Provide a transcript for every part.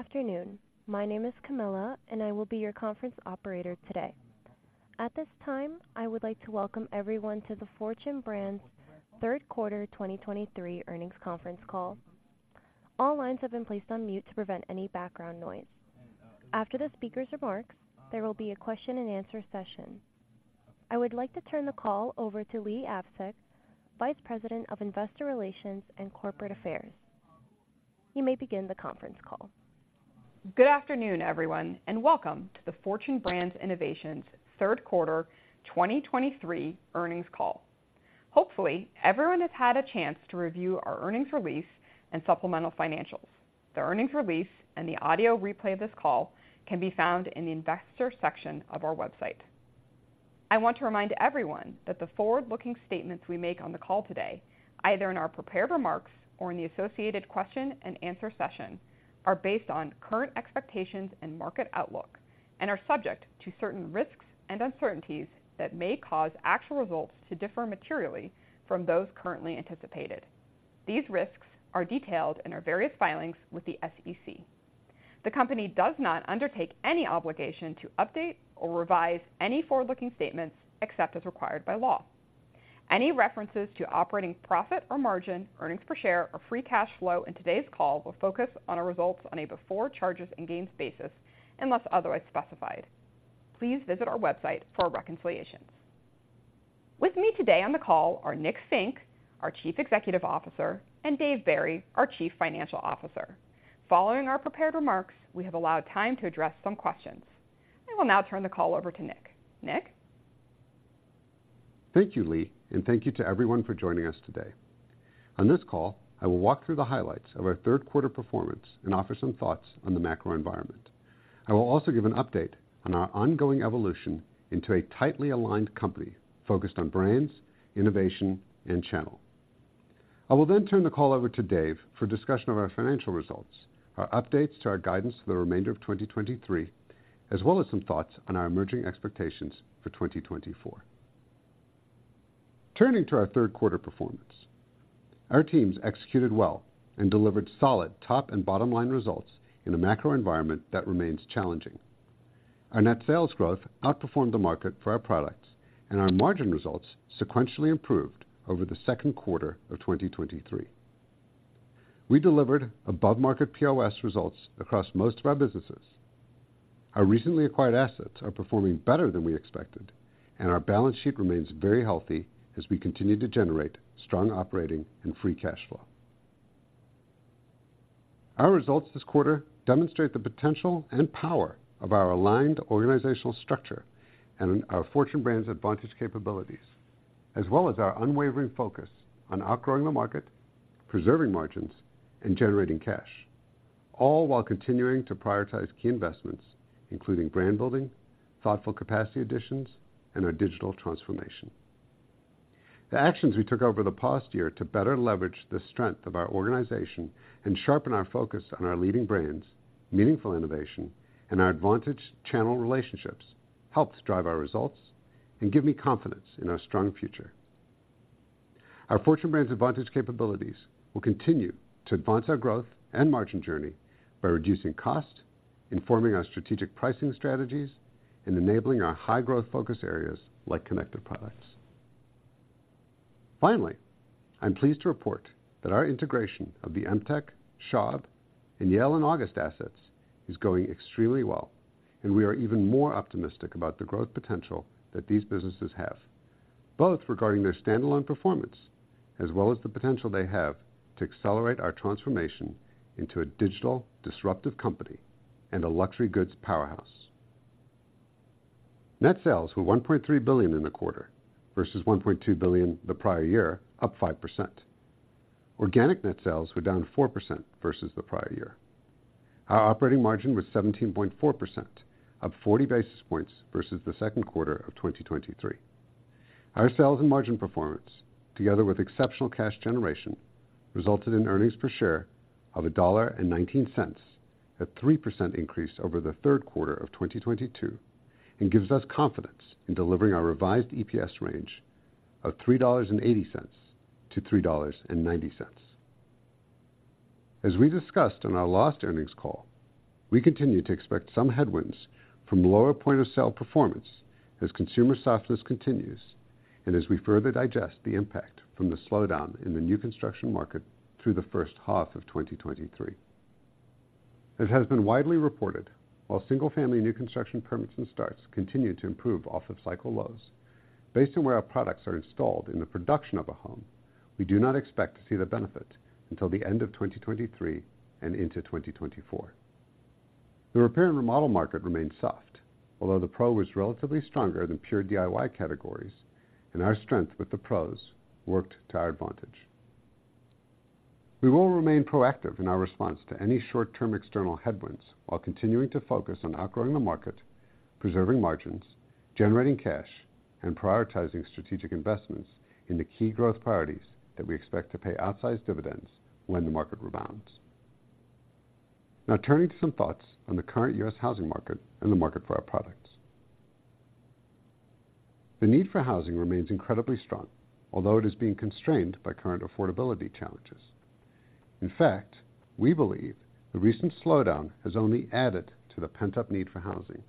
Good afternoon. My name is Camilla, and I will be your conference operator today. At this time, I would like to welcome everyone to the Fortune Brands third quarter 2023 earnings conference call. All lines have been placed on mute to prevent any background noise. After the speaker's remarks, there will be a question-and-answer session. I would like to turn the call over to Leigh Avsec, Vice President of Investor Relations and Corporate Affairs. You may begin the conference call. Good afternoon, everyone, and welcome to the Fortune Brands Innovations third quarter 2023 earnings call. Hopefully, everyone has had a chance to review our earnings release and supplemental financials. The earnings release and the audio replay of this call can be found in the Investors section of our website. I want to remind everyone that the forward-looking statements we make on the call today, either in our prepared remarks or in the associated question-and-answer session, are based on current expectations and market outlook, and are subject to certain risks and uncertainties that may cause actual results to differ materially from those currently anticipated. These risks are detailed in our various filings with the SEC. The company does not undertake any obligation to update or revise any forward-looking statements except as required by law. Any references to operating profit or margin, earnings per share, or free cash flow in today's call will focus on our results on a before charges and gains basis, unless otherwise specified. Please visit our website for our reconciliations. With me today on the call are Nick Fink, our Chief Executive Officer, and Dave Barry, our Chief Financial Officer. Following our prepared remarks, we have allowed time to address some questions. I will now turn the call over to Nick. Nick? Thank you, Leigh, and thank you to everyone for joining us today. On this call, I will walk through the highlights of our third quarter performance and offer some thoughts on the macro environment. I will also give an update on our ongoing evolution into a tightly aligned company focused on brands, innovation, and channel. I will then turn the call over to Dave for a discussion of our financial results, our updates to our guidance for the remainder of 2023, as well as some thoughts on our emerging expectations for 2024. Turning to our third quarter performance, our teams executed well and delivered solid top and bottom line results in a macro environment that remains challenging. Our net sales growth outperformed the market for our products, and our margin results sequentially improved over the second quarter of 2023. We delivered above-market POS results across most of our businesses. Our recently acquired assets are performing better than we expected, and our balance sheet remains very healthy as we continue to generate strong operating and free cash flow. Our results this quarter demonstrate the potential and power of our aligned organizational structure and our Fortune Brands Advantage capabilities, as well as our unwavering focus on outgrowing the market, preserving margins, and generating cash, all while continuing to prioritize key investments, including brand building, thoughtful capacity additions, and our digital transformation. The actions we took over the past year to better leverage the strength of our organization and sharpen our focus on our leading brands, meaningful innovation, and our advantage channel relationships, helped drive our results and give me confidence in our strong future. Our Fortune Brands Advantage capabilities will continue to advance our growth and margin journey by reducing cost, informing our strategic pricing strategies, and enabling our high-growth focus areas like Connected Products. Finally, I'm pleased to report that our integration of the Emtek, Schaub, and Yale and August assets is going extremely well, and we are even more optimistic about the growth potential that these businesses have, both regarding their standalone performance as well as the potential they have to accelerate our transformation into a digital disruptive company and a luxury goods powerhouse. Net sales were $1.3 billion in the quarter vs $1.2 billion the prior year, up 5%. Organic net sales were down 4% vs the prior year. Our operating margin was 17.4%, up 40 basis points vs the second quarter of 2023. Our sales and margin performance, together with exceptional cash generation, resulted in earnings per share of $1.19, a 3% increase over the third quarter of 2022, and gives us confidence in delivering our revised EPS range of $3.80-$3.90. As we discussed on our last earnings call, we continue to expect some headwinds from lower point-of-sale performance as consumer softness continues and as we further digest the impact from the slowdown in the new construction market through the first half of 2023. It has been widely reported. While single-family new construction permits and starts continue to improve off of cycle lows. Based on where our products are installed in the production of a home, we do not expect to see the benefit until the end of 2023 and into 2024. The Repair and Remodel market remains soft, although the Pro was relatively stronger than pure DIY categories, and our strength with the Pros worked to our advantage. We will remain proactive in our response to any short-term external headwinds while continuing to focus on outgrowing the market, preserving margins, generating cash, and prioritizing strategic investments in the key growth priorities that we expect to pay outsized dividends when the market rebounds. Now, turning to some thoughts on the current U.S. housing market and the market for our products... The need for housing remains incredibly strong, although it is being constrained by current affordability challenges. In fact, we believe the recent slowdown has only added to the pent-up need for housing.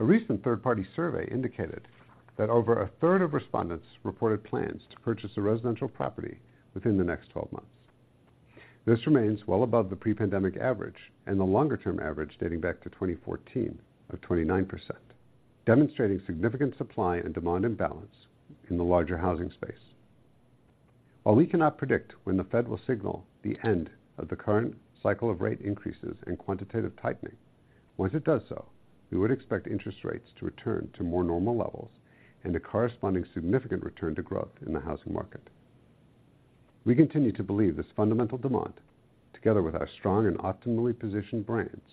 A recent third-party survey indicated that over 1/3 of respondents reported plans to purchase a residential property within the next 12 months. This remains well above the pre-pandemic average and the longer-term average, dating back to 2014, of 29%, demonstrating significant supply and demand imbalance in the larger housing space. While we cannot predict when the Fed will signal the end of the current cycle of rate increases and quantitative tightening, once it does so, we would expect interest rates to return to more normal levels and a corresponding significant return to growth in the housing market. We continue to believe this fundamental demand, together with our strong and optimally positioned brands,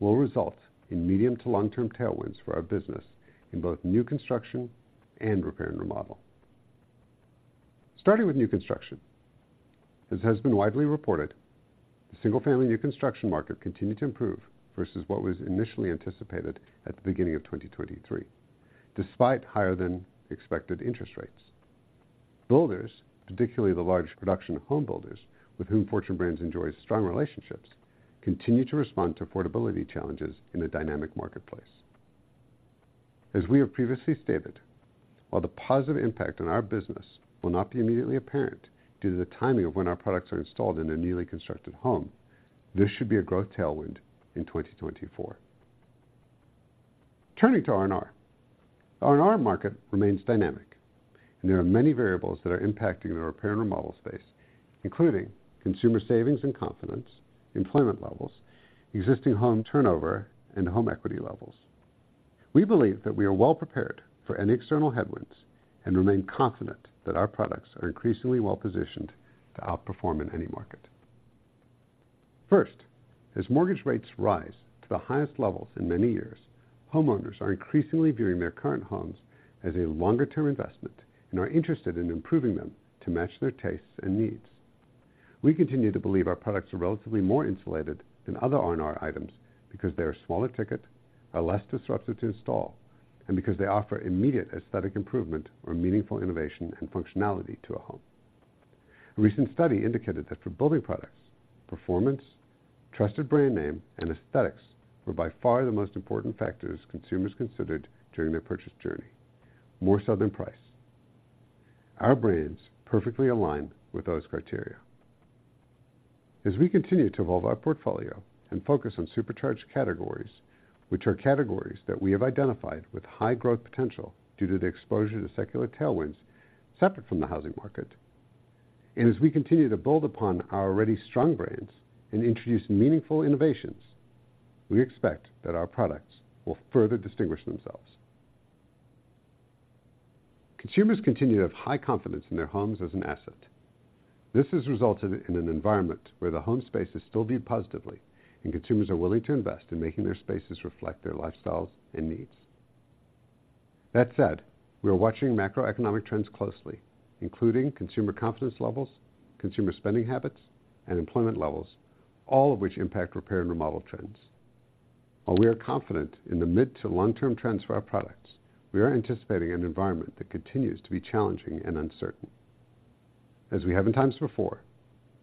will result in medium to long-term tailwinds for our business in both new construction and Repair and Remodel. Starting with new construction, as has been widely reported, the single-family new construction market continued to improve vs what was initially anticipated at the beginning of 2023, despite higher-than-expected interest rates. Builders, particularly the large production home builders, with whom Fortune Brands enjoys strong relationships, continue to respond to affordability challenges in a dynamic marketplace. As we have previously stated, while the positive impact on our business will not be immediately apparent due to the timing of when our products are installed in a newly constructed home, this should be a growth tailwind in 2024. Turning to R&R. R&R market remains dynamic, and there are many variables that are impacting the Repair and Remodel space, including consumer savings and confidence, employment levels, existing home turnover, and home equity levels. We believe that we are well prepared for any external headwinds and remain confident that our products are increasingly well positioned to outperform in any market. First, as mortgage rates rise to the highest levels in many years, homeowners are increasingly viewing their current homes as a longer-term investment and are interested in improving them to match their tastes and needs. We continue to believe our products are relatively more insulated than other R&R items because they are smaller ticket, are less disruptive to install, and because they offer immediate aesthetic improvement or meaningful innovation and functionality to a home. A recent study indicated that for building products, performance, trusted brand name, and aesthetics were by far the most important factors consumers considered during their purchase journey, more so than price. Our brands perfectly align with those criteria. As we continue to evolve our portfolio and focus on supercharged categories, which are categories that we have identified with high growth potential due to the exposure to secular tailwinds separate from the housing market, and as we continue to build upon our already strong brands and introduce meaningful innovations, we expect that our products will further distinguish themselves. Consumers continue to have high confidence in their homes as an asset. This has resulted in an environment where the home space is still viewed positively, and consumers are willing to invest in making their spaces reflect their lifestyles and needs. That said, we are watching macroeconomic trends closely, including consumer confidence levels, consumer spending habits, and employment levels, all of which impact Repair and Remodel trends. While we are confident in the mid- to long-term trends for our products, we are anticipating an environment that continues to be challenging and uncertain. As we have in times before,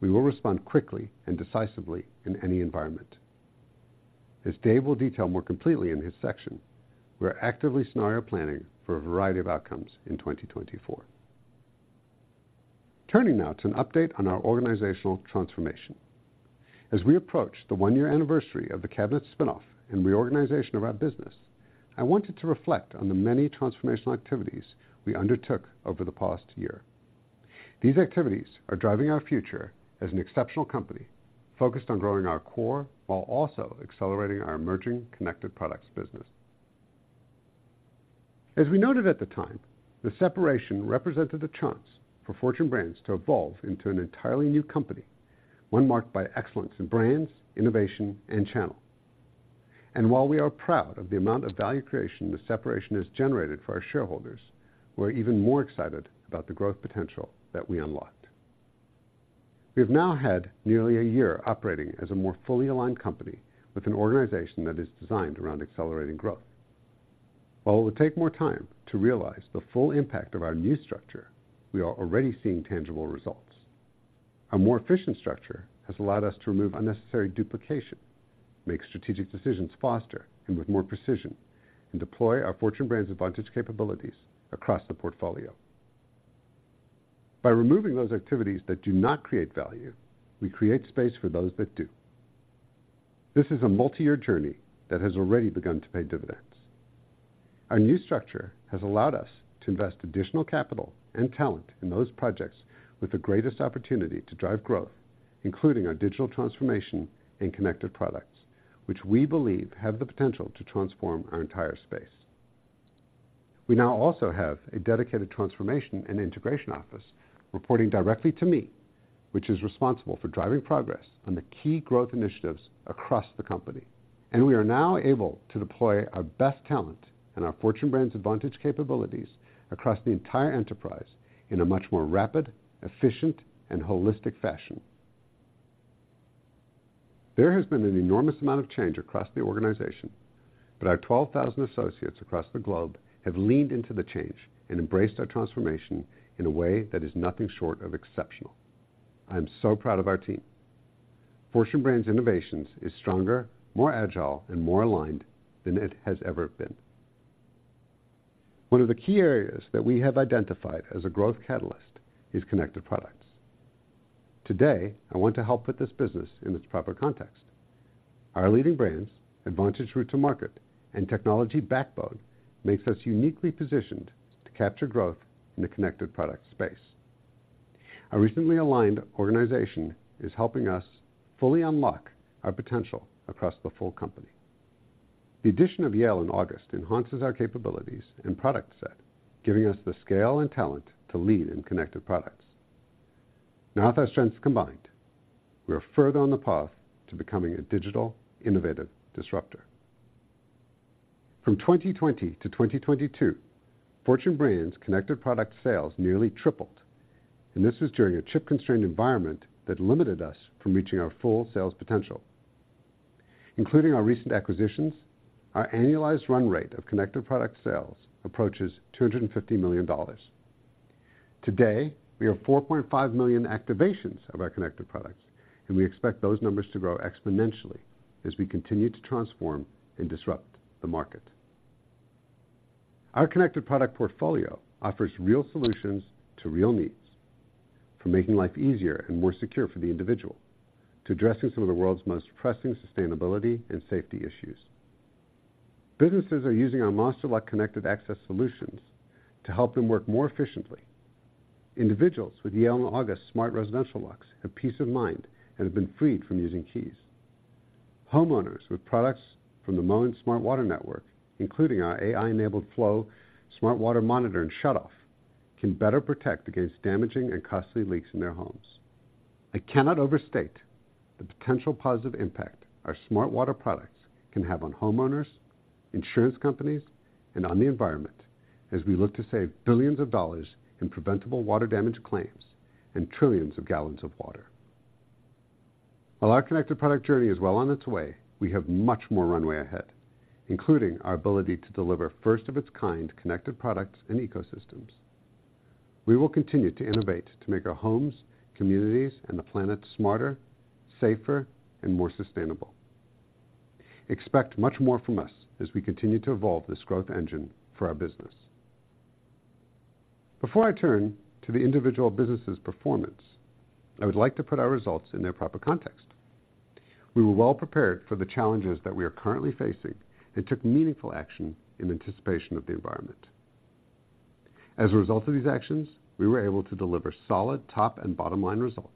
we will respond quickly and decisively in any environment. As Dave will detail more completely in his section, we are actively scenario planning for a variety of outcomes in 2024. Turning now to an update on our organizational transformation. As we approach the 1-year anniversary of the Cabinet spin-off and reorganization of our business, I wanted to reflect on the many transformational activities we undertook over the past year. These activities are driving our future as an exceptional company, focused on growing our core, while also accelerating our emerging Connected Products business. As we noted at the time, the separation represented a chance for Fortune Brands to evolve into an entirely new company, one marked by excellence in brands, innovation, and channel. While we are proud of the amount of value creation the separation has generated for our shareholders, we're even more excited about the growth potential that we unlocked. We've now had nearly a year operating as a more fully aligned company with an organization that is designed around accelerating growth. While it will take more time to realize the full impact of our new structure, we are already seeing tangible results. A more efficient structure has allowed us to remove unnecessary duplication, make strategic decisions faster and with more precision, and deploy our Fortune Brands Advantage capabilities across the portfolio. By removing those activities that do not create value, we create space for those that do. This is a multi-year journey that has already begun to pay dividends. Our new structure has allowed us to invest additional capital and talent in those projects with the greatest opportunity to drive growth, including our digital transformation and Connected Products, which we believe have the potential to transform our entire space. We now also have a dedicated transformation and integration office reporting directly to me, which is responsible for driving progress on the key growth initiatives across the company. And we are now able to deploy our best talent and our Fortune Brands Advantage capabilities across the entire enterprise in a much more rapid, efficient, and holistic fashion.... There has been an enormous amount of change across the organization, but our 12,000 associates across the globe have leaned into the change and embraced our transformation in a way that is nothing short of exceptional. I'm so proud of our team. Fortune Brands Innovations is stronger, more agile, and more aligned than it has ever been. One of the key areas that we have identified as a growth catalyst is Connected Products. Today, I want to help put this business in its proper context. Our leading brands, advantage route to market, and technology backbone makes us uniquely positioned to capture growth in the Connected Product space. Our recently aligned organization is helping us fully unlock our potential across the full company. The addition of Yale and August enhances our capabilities and product set, giving us the scale and talent to lead in Connected Products. Now, with our strengths combined, we are further on the path to becoming a digital, innovative disruptor. From 2020-2022, Fortune Brands Connected Product sales nearly tripled, and this was during a chip-constrained environment that limited us from reaching our full sales potential. Including our recent acquisitions, our annualized run rate of Connected Product sales approaches $250 million. Today, we have 4.5 million activations of our Connected Products, and we expect those numbers to grow exponentially as we continue to transform and disrupt the market. Our Connected Product portfolio offers real solutions to real needs, from making life easier and more secure for the individual, to addressing some of the world's most pressing sustainability and safety issues. Businesses are using our Master Lock connected access solutions to help them work more efficiently. Individuals with Yale and August smart residential locks have peace of mind and have been freed from using keys. Homeowners with products from the Moen Smart Water Network, including our AI-enabled Flo Smart Water Monitor and Shutoff can better protect against damaging and costly leaks in their homes. I cannot overstate the potential positive impact our smart Water products can have on homeowners, insurance companies, and on the environment as we look to save billions of dollars in preventable water damage claims and trillions of gallons of water. While our Connected Product journey is well on its way, we have much more runway ahead, including our ability to deliver first-of-its-kind Connected Products and ecosystems. We will continue to innovate to make our homes, communities, and the planet smarter, safer, and more sustainable. Expect much more from us as we continue to evolve this growth engine for our business. Before I turn to the individual business's performance, I would like to put our results in their proper context. We were well prepared for the challenges that we are currently facing and took meaningful action in anticipation of the environment. As a result of these actions, we were able to deliver solid top and bottom-line results.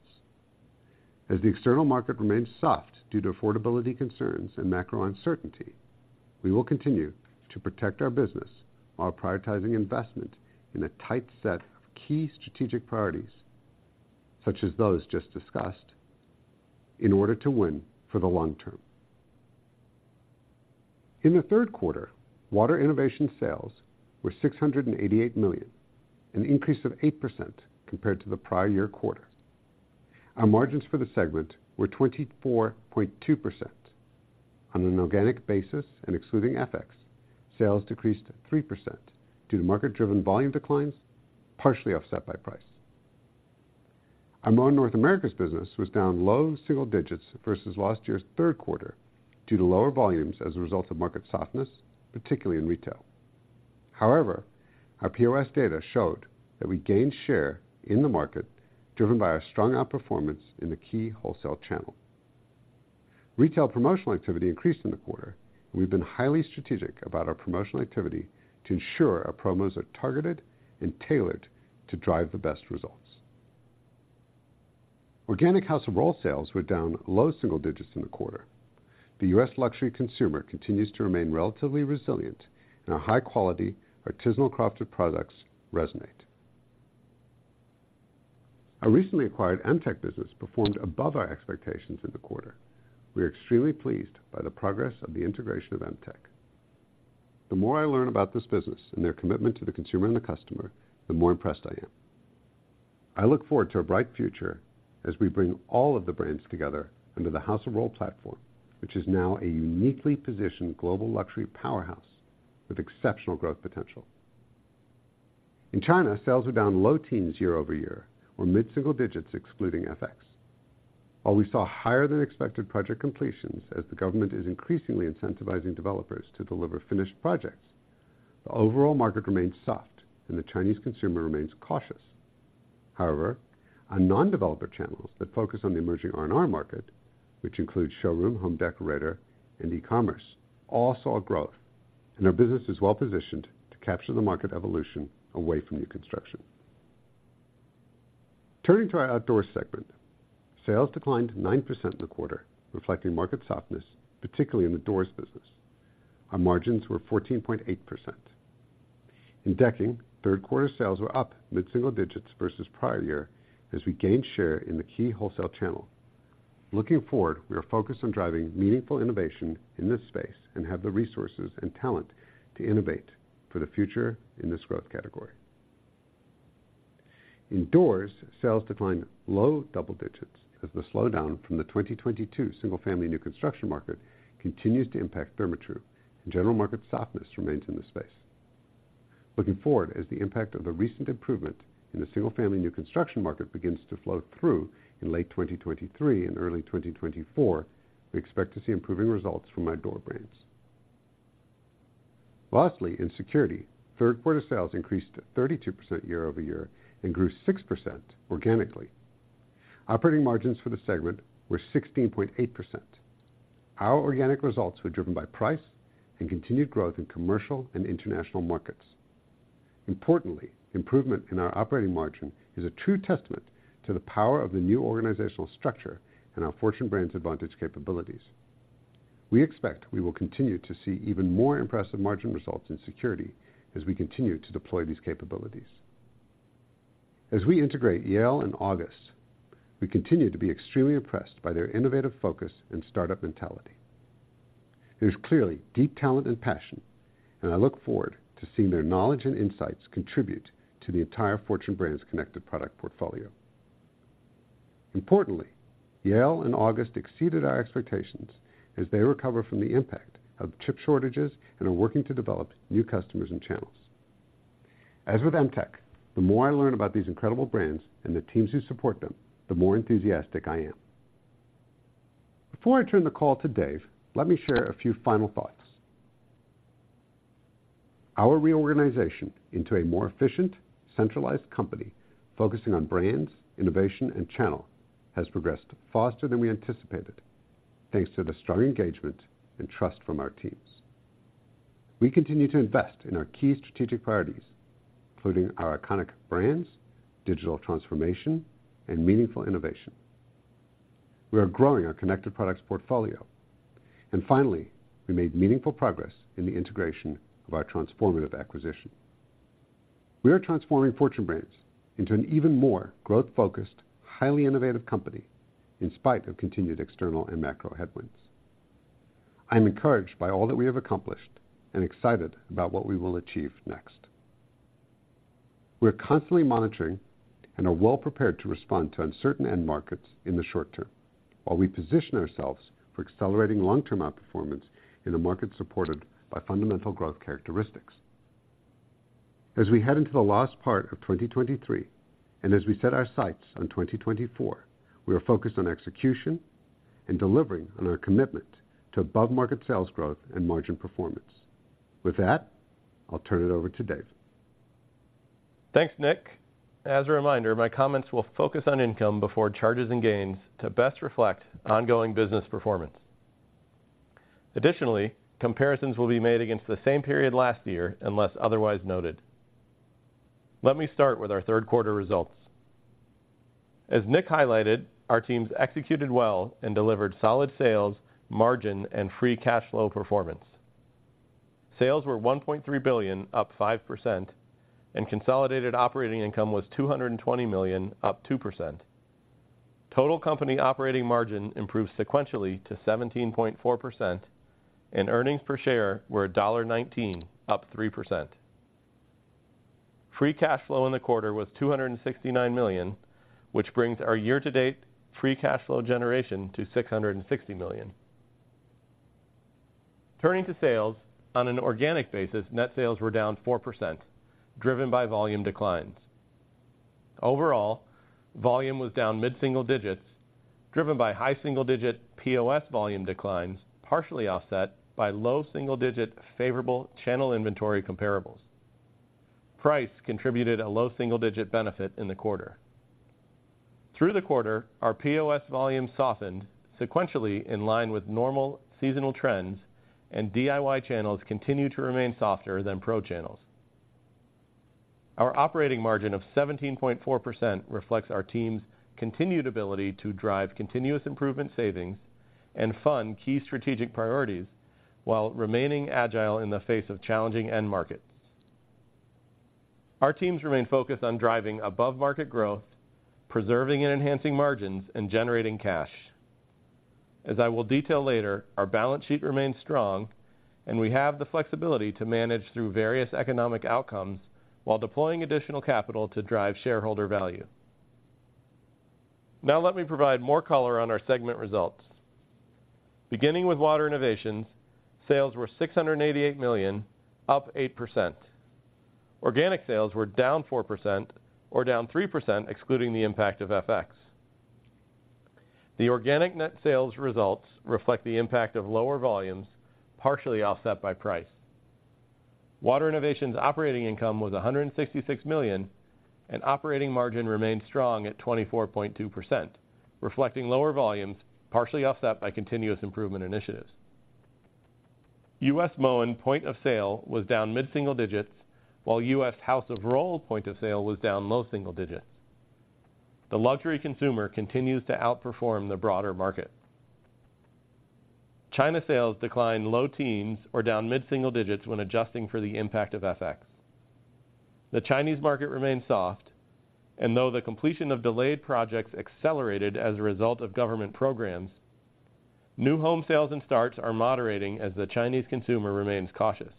As the external market remains soft due to affordability concerns and macro uncertainty, we will continue to protect our business while prioritizing investment in a tight set of key strategic priorities, such as those just discussed, in order to win for the long term. In the third quarter, Water Innovations sales were $688 million, an increase of 8% compared to the prior year quarter. Our margins for the segment were 24.2%. On an organic basis and excluding FX, sales decreased 3% due to market-driven volume declines, partially offset by price. Our Moen North America's business was down low single digits vs last year's third quarter due to lower volumes as a result of market softness, particularly in retail. However, our POS data showed that we gained share in the market, driven by our strong outperformance in the key wholesale channel. Retail promotional activity increased in the quarter. We've been highly strategic about our promotional activity to ensure our promos are targeted and tailored to drive the best results. Organic House of Rohl sales were down low single digits in the quarter. The U.S. luxury consumer continues to remain relatively resilient, and our high-quality, artisanal crafted products resonate. Our recently acquired Emtek business performed above our expectations in the quarter. We are extremely pleased by the progress of the integration of Emtek. The more I learn about this business and their commitment to the consumer and the customer, the more impressed I am. I look forward to a bright future as we bring all of the brands together under the House of Rohl platform, which is now a uniquely positioned global luxury powerhouse with exceptional growth potential. In China, sales were down low teens year-over-year or mid-single digits, excluding FX. While we saw higher-than-expected project completions as the government is increasingly incentivizing developers to deliver finished projects, the overall market remains soft and the Chinese consumer remains cautious. However, our non-developer channels that focus on the emerging R&R market, which includes showroom, home decoration, and e-commerce, all saw growth, and our business is well positioned to capture the market evolution away from new construction. Turning to our Outdoor segment, sales declined 9% in the quarter, reflecting market softness, particularly in the doors business. Our margins were 14.8%. In decking, third quarter sales were up mid-single digits vs prior year as we gained share in the key wholesale channel. Looking forward, we are focused on driving meaningful innovation in this space and have the resources and talent to innovate for the future in this growth category. In doors, sales declined low double digits as the slowdown from the 2022 single-family new construction market continues to impact Therma-Tru, and general market softness remains in the space. Looking forward, as the impact of the recent improvement in the single-family new construction market begins to flow through in late 2023 and early 2024, we expect to see improving results from our door brands. Lastly, in Security, third quarter sales increased 32% year-over-year and grew 6% organically. Operating margins for the segment were 16.8%. Our organic results were driven by price and continued growth in commercial and international markets. Importantly, improvement in our operating margin is a true testament to the power of the new organizational structure and our Fortune Brands Advantage capabilities. We expect we will continue to see even more impressive margin results in Security as we continue to deploy these capabilities. As we integrate Yale and August, we continue to be extremely impressed by their innovative focus and startup mentality. There's clearly deep talent and passion, and I look forward to seeing their knowledge and insights contribute to the entire Fortune Brands Connected Product portfolio. Importantly, Yale and August exceeded our expectations as they recover from the impact of chip shortages and are working to develop new customers and channels. As with Emtek, the more I learn about these incredible brands and the teams who support them, the more enthusiastic I am. Before I turn the call to Dave, let me share a few final thoughts. Our reorganization into a more efficient, centralized company, focusing on brands, innovation, and channel, has progressed faster than we anticipated, thanks to the strong engagement and trust from our teams. We continue to invest in our key strategic priorities, including our iconic brands, digital transformation, and meaningful innovation. We are growing our Connected Products portfolio. And finally, we made meaningful progress in the integration of our transformative acquisition. We are transforming Fortune Brands into an even more growth-focused, highly innovative company, in spite of continued external and macro headwinds. I am encouraged by all that we have accomplished and excited about what we will achieve next. We are constantly monitoring and are well prepared to respond to uncertain end markets in the short term, while we position ourselves for accelerating long-term outperformance in a market supported by fundamental growth characteristics. As we head into the last part of 2023, and as we set our sights on 2024, we are focused on execution and delivering on our commitment to above-market sales growth and margin performance. With that, I'll turn it over to Dave. Thanks, Nick. As a reminder, my comments will focus on income before charges and gains to best reflect ongoing business performance. Additionally, comparisons will be made against the same period last year, unless otherwise noted. Let me start with our third quarter results. As Nick highlighted, our teams executed well and delivered solid sales, margin, and free cash flow performance. Sales were $1.3 billion, up 5%, and consolidated operating income was $220 million, up 2%. Total company operating margin improved sequentially to 17.4%, and earnings per share were $1.19, up 3%. Free cash flow in the quarter was $269 million, which brings our year-to-date free cash flow generation to $660 million. Turning to sales, on an organic basis, net sales were down 4%, driven by volume declines. Overall, volume was down mid-single digits, driven by high single-digit POS volume declines, partially offset by low single-digit favorable channel inventory comparables. Price contributed a low single-digit benefit in the quarter. Through the quarter, our POS volume softened sequentially in line with normal seasonal trends, and DIY channels continue to remain softer than pro channels. Our operating margin of 17.4% reflects our team's continued ability to drive continuous improvement savings and fund key strategic priorities while remaining agile in the face of challenging end markets. Our teams remain focused on driving above-market growth, preserving and enhancing margins, and generating cash. As I will detail later, our balance sheet remains strong, and we have the flexibility to manage through various economic outcomes while deploying additional capital to drive shareholder value. Now, let me provide more color on our segment results. Beginning with Water Innovations, sales were $688 million, up 8%. Organic sales were down 4% or down 3%, excluding the impact of FX. The organic net sales results reflect the impact of lower volumes, partially offset by price. Water Innovations operating income was $166 million, and operating margin remained strong at 24.2%, reflecting lower volumes, partially offset by continuous improvement initiatives. U.S. Moen point of sale was down mid-single digits, while U.S. House of Rohl point of sale was down low single digits. The luxury consumer continues to outperform the broader market. China sales declined low teens or down mid-single digits when adjusting for the impact of FX. The Chinese market remains soft, and though the completion of delayed projects accelerated as a result of government programs,... New home sales and starts are moderating as the Chinese consumer remains cautious.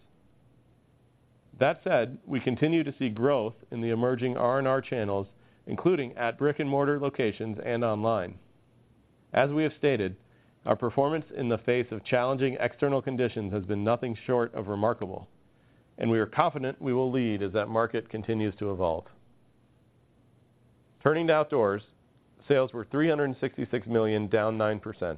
That said, we continue to see growth in the emerging R&R channels, including at brick-and-mortar locations and online. As we have stated, our performance in the face of challenging external conditions has been nothing short of remarkable, and we are confident we will lead as that market continues to evolve. Turning to Outdoors, sales were $366 million, down 9%.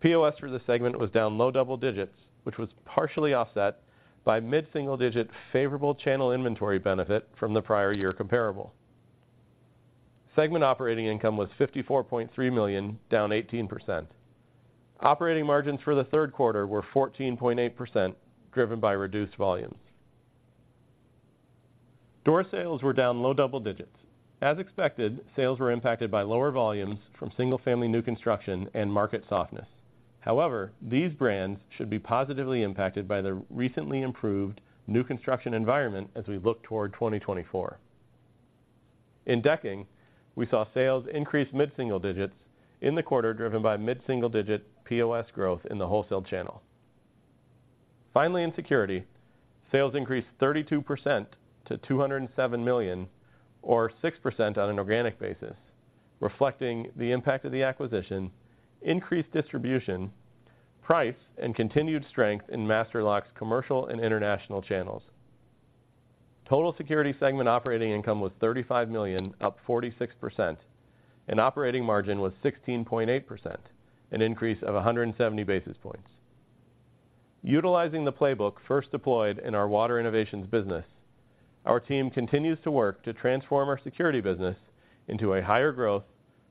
POS for the segment was down low double digits, which was partially offset by mid-single digit favorable channel inventory benefit from the prior year comparable. Segment operating income was $54.3 million, down 18%. Operating margins for the third quarter were 14.8%, driven by reduced volumes. Door sales were down low double digits. As expected, sales were impacted by lower volumes from single-family new construction and market softness. However, these brands should be positively impacted by the recently improved new construction environment as we look toward 2024. In decking, we saw sales increase mid-single digits in the quarter, driven by mid-single digit POS growth in the wholesale channel. Finally, in Security, sales increased 32% to $207 million, or 6% on an organic basis, reflecting the impact of the acquisition, increased distribution, price, and continued strength in Master Lock's commercial and international channels. Total Security segment operating income was $35 million, up 46%, and operating margin was 16.8%, an increase of 170 basis points. Utilizing the playbook first deployed in our Water Innovations business, our team continues to work to transform our Security business into a higher growth,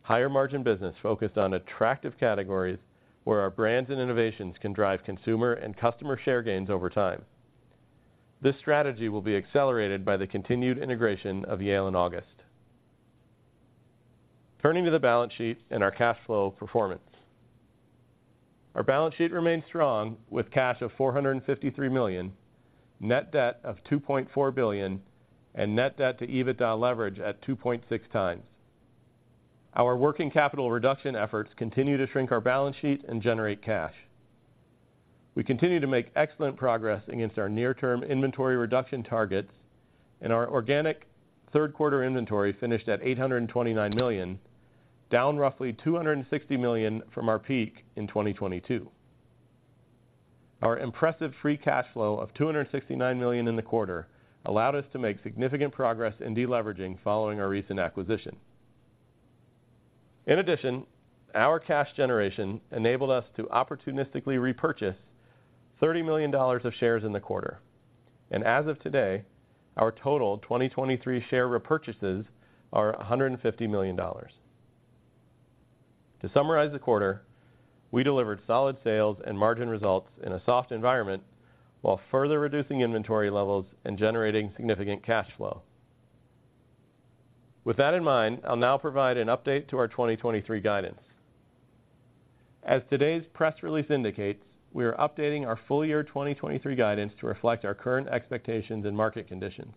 higher margin business focused on attractive categories where our brands and innovations can drive consumer and customer share gains over time. This strategy will be accelerated by the continued integration of Yale and August. Turning to the balance sheet and our cash flow performance. Our balance sheet remains strong, with cash of $453 million, net debt of $2.4 billion, and net debt to EBITDA leverage at 2.6x. Our working capital reduction efforts continue to shrink our balance sheet and generate cash. We continue to make excellent progress against our near-term inventory reduction targets, and our organic third quarter inventory finished at $829 million, down roughly $260 million from our peak in 2022. Our impressive free cash flow of $269 million in the quarter allowed us to make significant progress in deleveraging following our recent acquisition. In addition, our cash generation enabled us to opportunistically repurchase $30 million of shares in the quarter, and as of today, our total 2023 share repurchases are $150 million. To summarize the quarter, we delivered solid sales and margin results in a soft environment, while further reducing inventory levels and generating significant cash flow. With that in mind, I'll now provide an update to our 2023 guidance. As today's press release indicates, we are updating our full year 2023 guidance to reflect our current expectations and market conditions.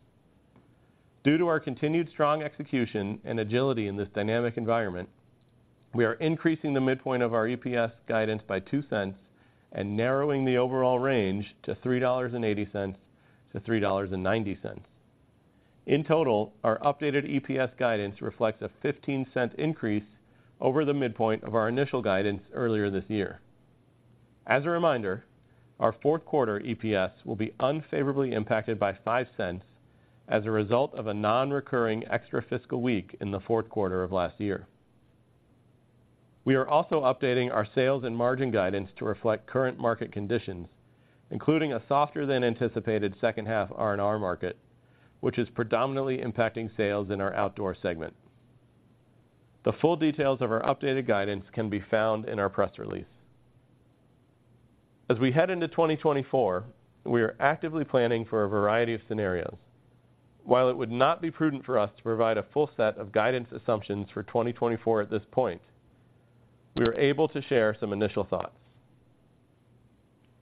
Due to our continued strong execution and agility in this dynamic environment, we are increasing the midpoint of our EPS guidance by $0.02 and narrowing the overall range to $3.80-$3.90. In total, our updated EPS guidance reflects a $0.15 increase over the midpoint of our initial guidance earlier this year. As a reminder, our fourth quarter EPS will be unfavorably impacted by $0.05 as a result of a non-recurring extra fiscal week in the fourth quarter of last year. We are also updating our sales and margin guidance to reflect current market conditions, including a softer than anticipated second half R&R market, which is predominantly impacting sales in our Outdoor segment. The full details of our updated guidance can be found in our press release. As we head into 2024, we are actively planning for a variety of scenarios. While it would not be prudent for us to provide a full set of guidance assumptions for 2024 at this point, we are able to share some initial thoughts.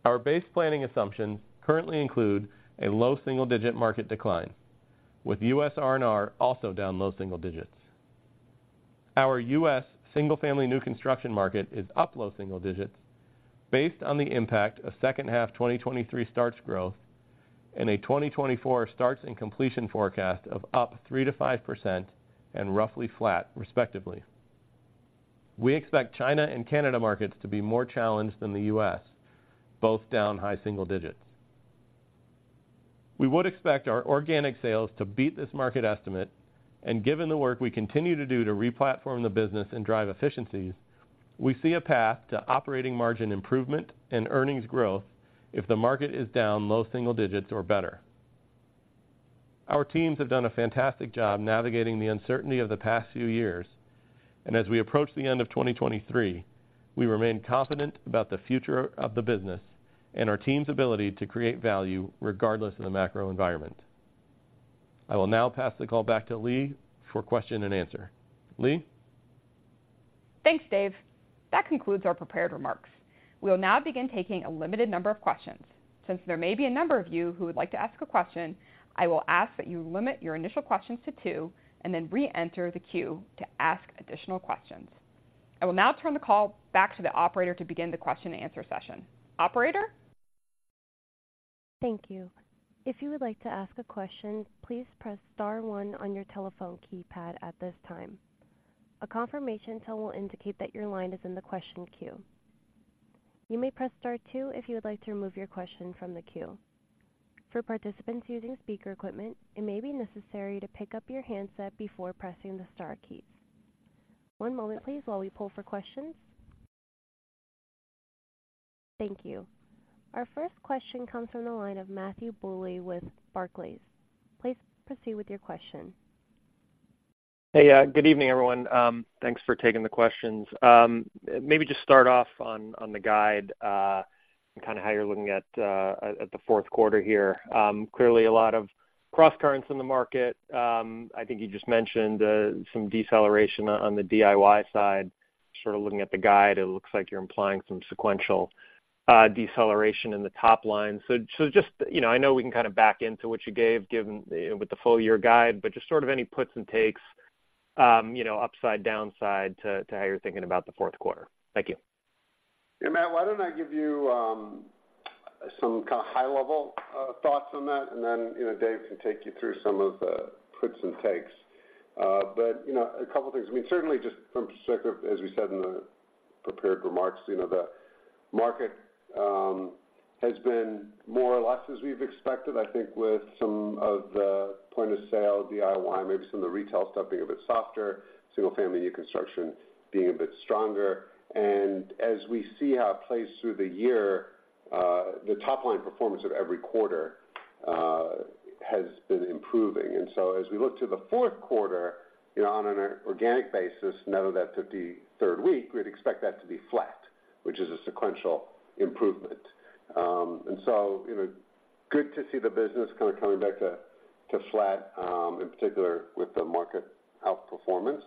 Our base planning assumptions currently include a low single-digit market decline, with U.S. R&R also down low single digits. Our U.S. single-family new construction market is up low single digits, based on the impact of second half 2023 starts growth and a 2024 starts and completion forecast of up 3%-5% and roughly flat, respectively. We expect China and Canada markets to be more challenged than the U.S., both down high single digits. We would expect our organic sales to beat this market estimate, and given the work we continue to do to re-platform the business and drive efficiencies, we see a path to operating margin improvement and earnings growth if the market is down low single digits or better. Our teams have done a fantastic job navigating the uncertainty of the past few years, and as we approach the end of 2023, we remain confident about the future of the business and our team's ability to create value regardless of the macro environment. I will now pass the call back to Leigh for question-and-answer. Leigh? Thanks, Dave. That concludes our prepared remarks... We'll now begin taking a limited number of questions. Since there may be a number of you who would like to ask a question, I will ask that you limit your initial questions to two and then reenter the queue to ask additional questions. I will now turn the call back to the operator to begin the question-and-answer session. Operator? Thank you. If you would like to ask a question, please press star one on your telephone keypad at this time. A confirmation tone will indicate that your line is in the question queue. You may press star two if you would like to remove your question from the queue. For participants using speaker equipment, it may be necessary to pick up your handset before pressing the star keys. One moment please, while we pull for questions. Thank you. Our first question comes from the line of Matthew Bouley with Barclays. Please proceed with your question. Hey, good evening, everyone. Thanks for taking the questions. Maybe just start off on the guide, kind of how you're looking at the fourth quarter here. Clearly a lot of crosscurrents in the market. I think you just mentioned some deceleration on the DIY side. Sort of looking at the guide, it looks like you're implying some sequential deceleration in the top line. So just, you know, I know we can kind of back into what you gave, given with the full year guide, but just sort of any puts and takes, you know, upside, downside to how you're thinking about the fourth quarter. Thank you. Yeah, Matt, why don't I give you some kind of high-level thoughts on that, and then, you know, Dave can take you through some of the puts and takes. But, you know, a couple things. I mean, certainly just from perspective, as we said in the prepared remarks, you know, the market has been more or less as we've expected, I think, with some of the point-of-sale DIY, maybe some of the retail stuff being a bit softer, single-family new construction being a bit stronger. And as we see how it plays through the year, the top-line performance of every quarter has been improving. And so as we look to the fourth quarter, you know, on an organic basis, now that that 53rd week, we'd expect that to be flat, which is a sequential improvement. And so, you know, good to see the business kind of coming back to flat, in particular with the market outperformance.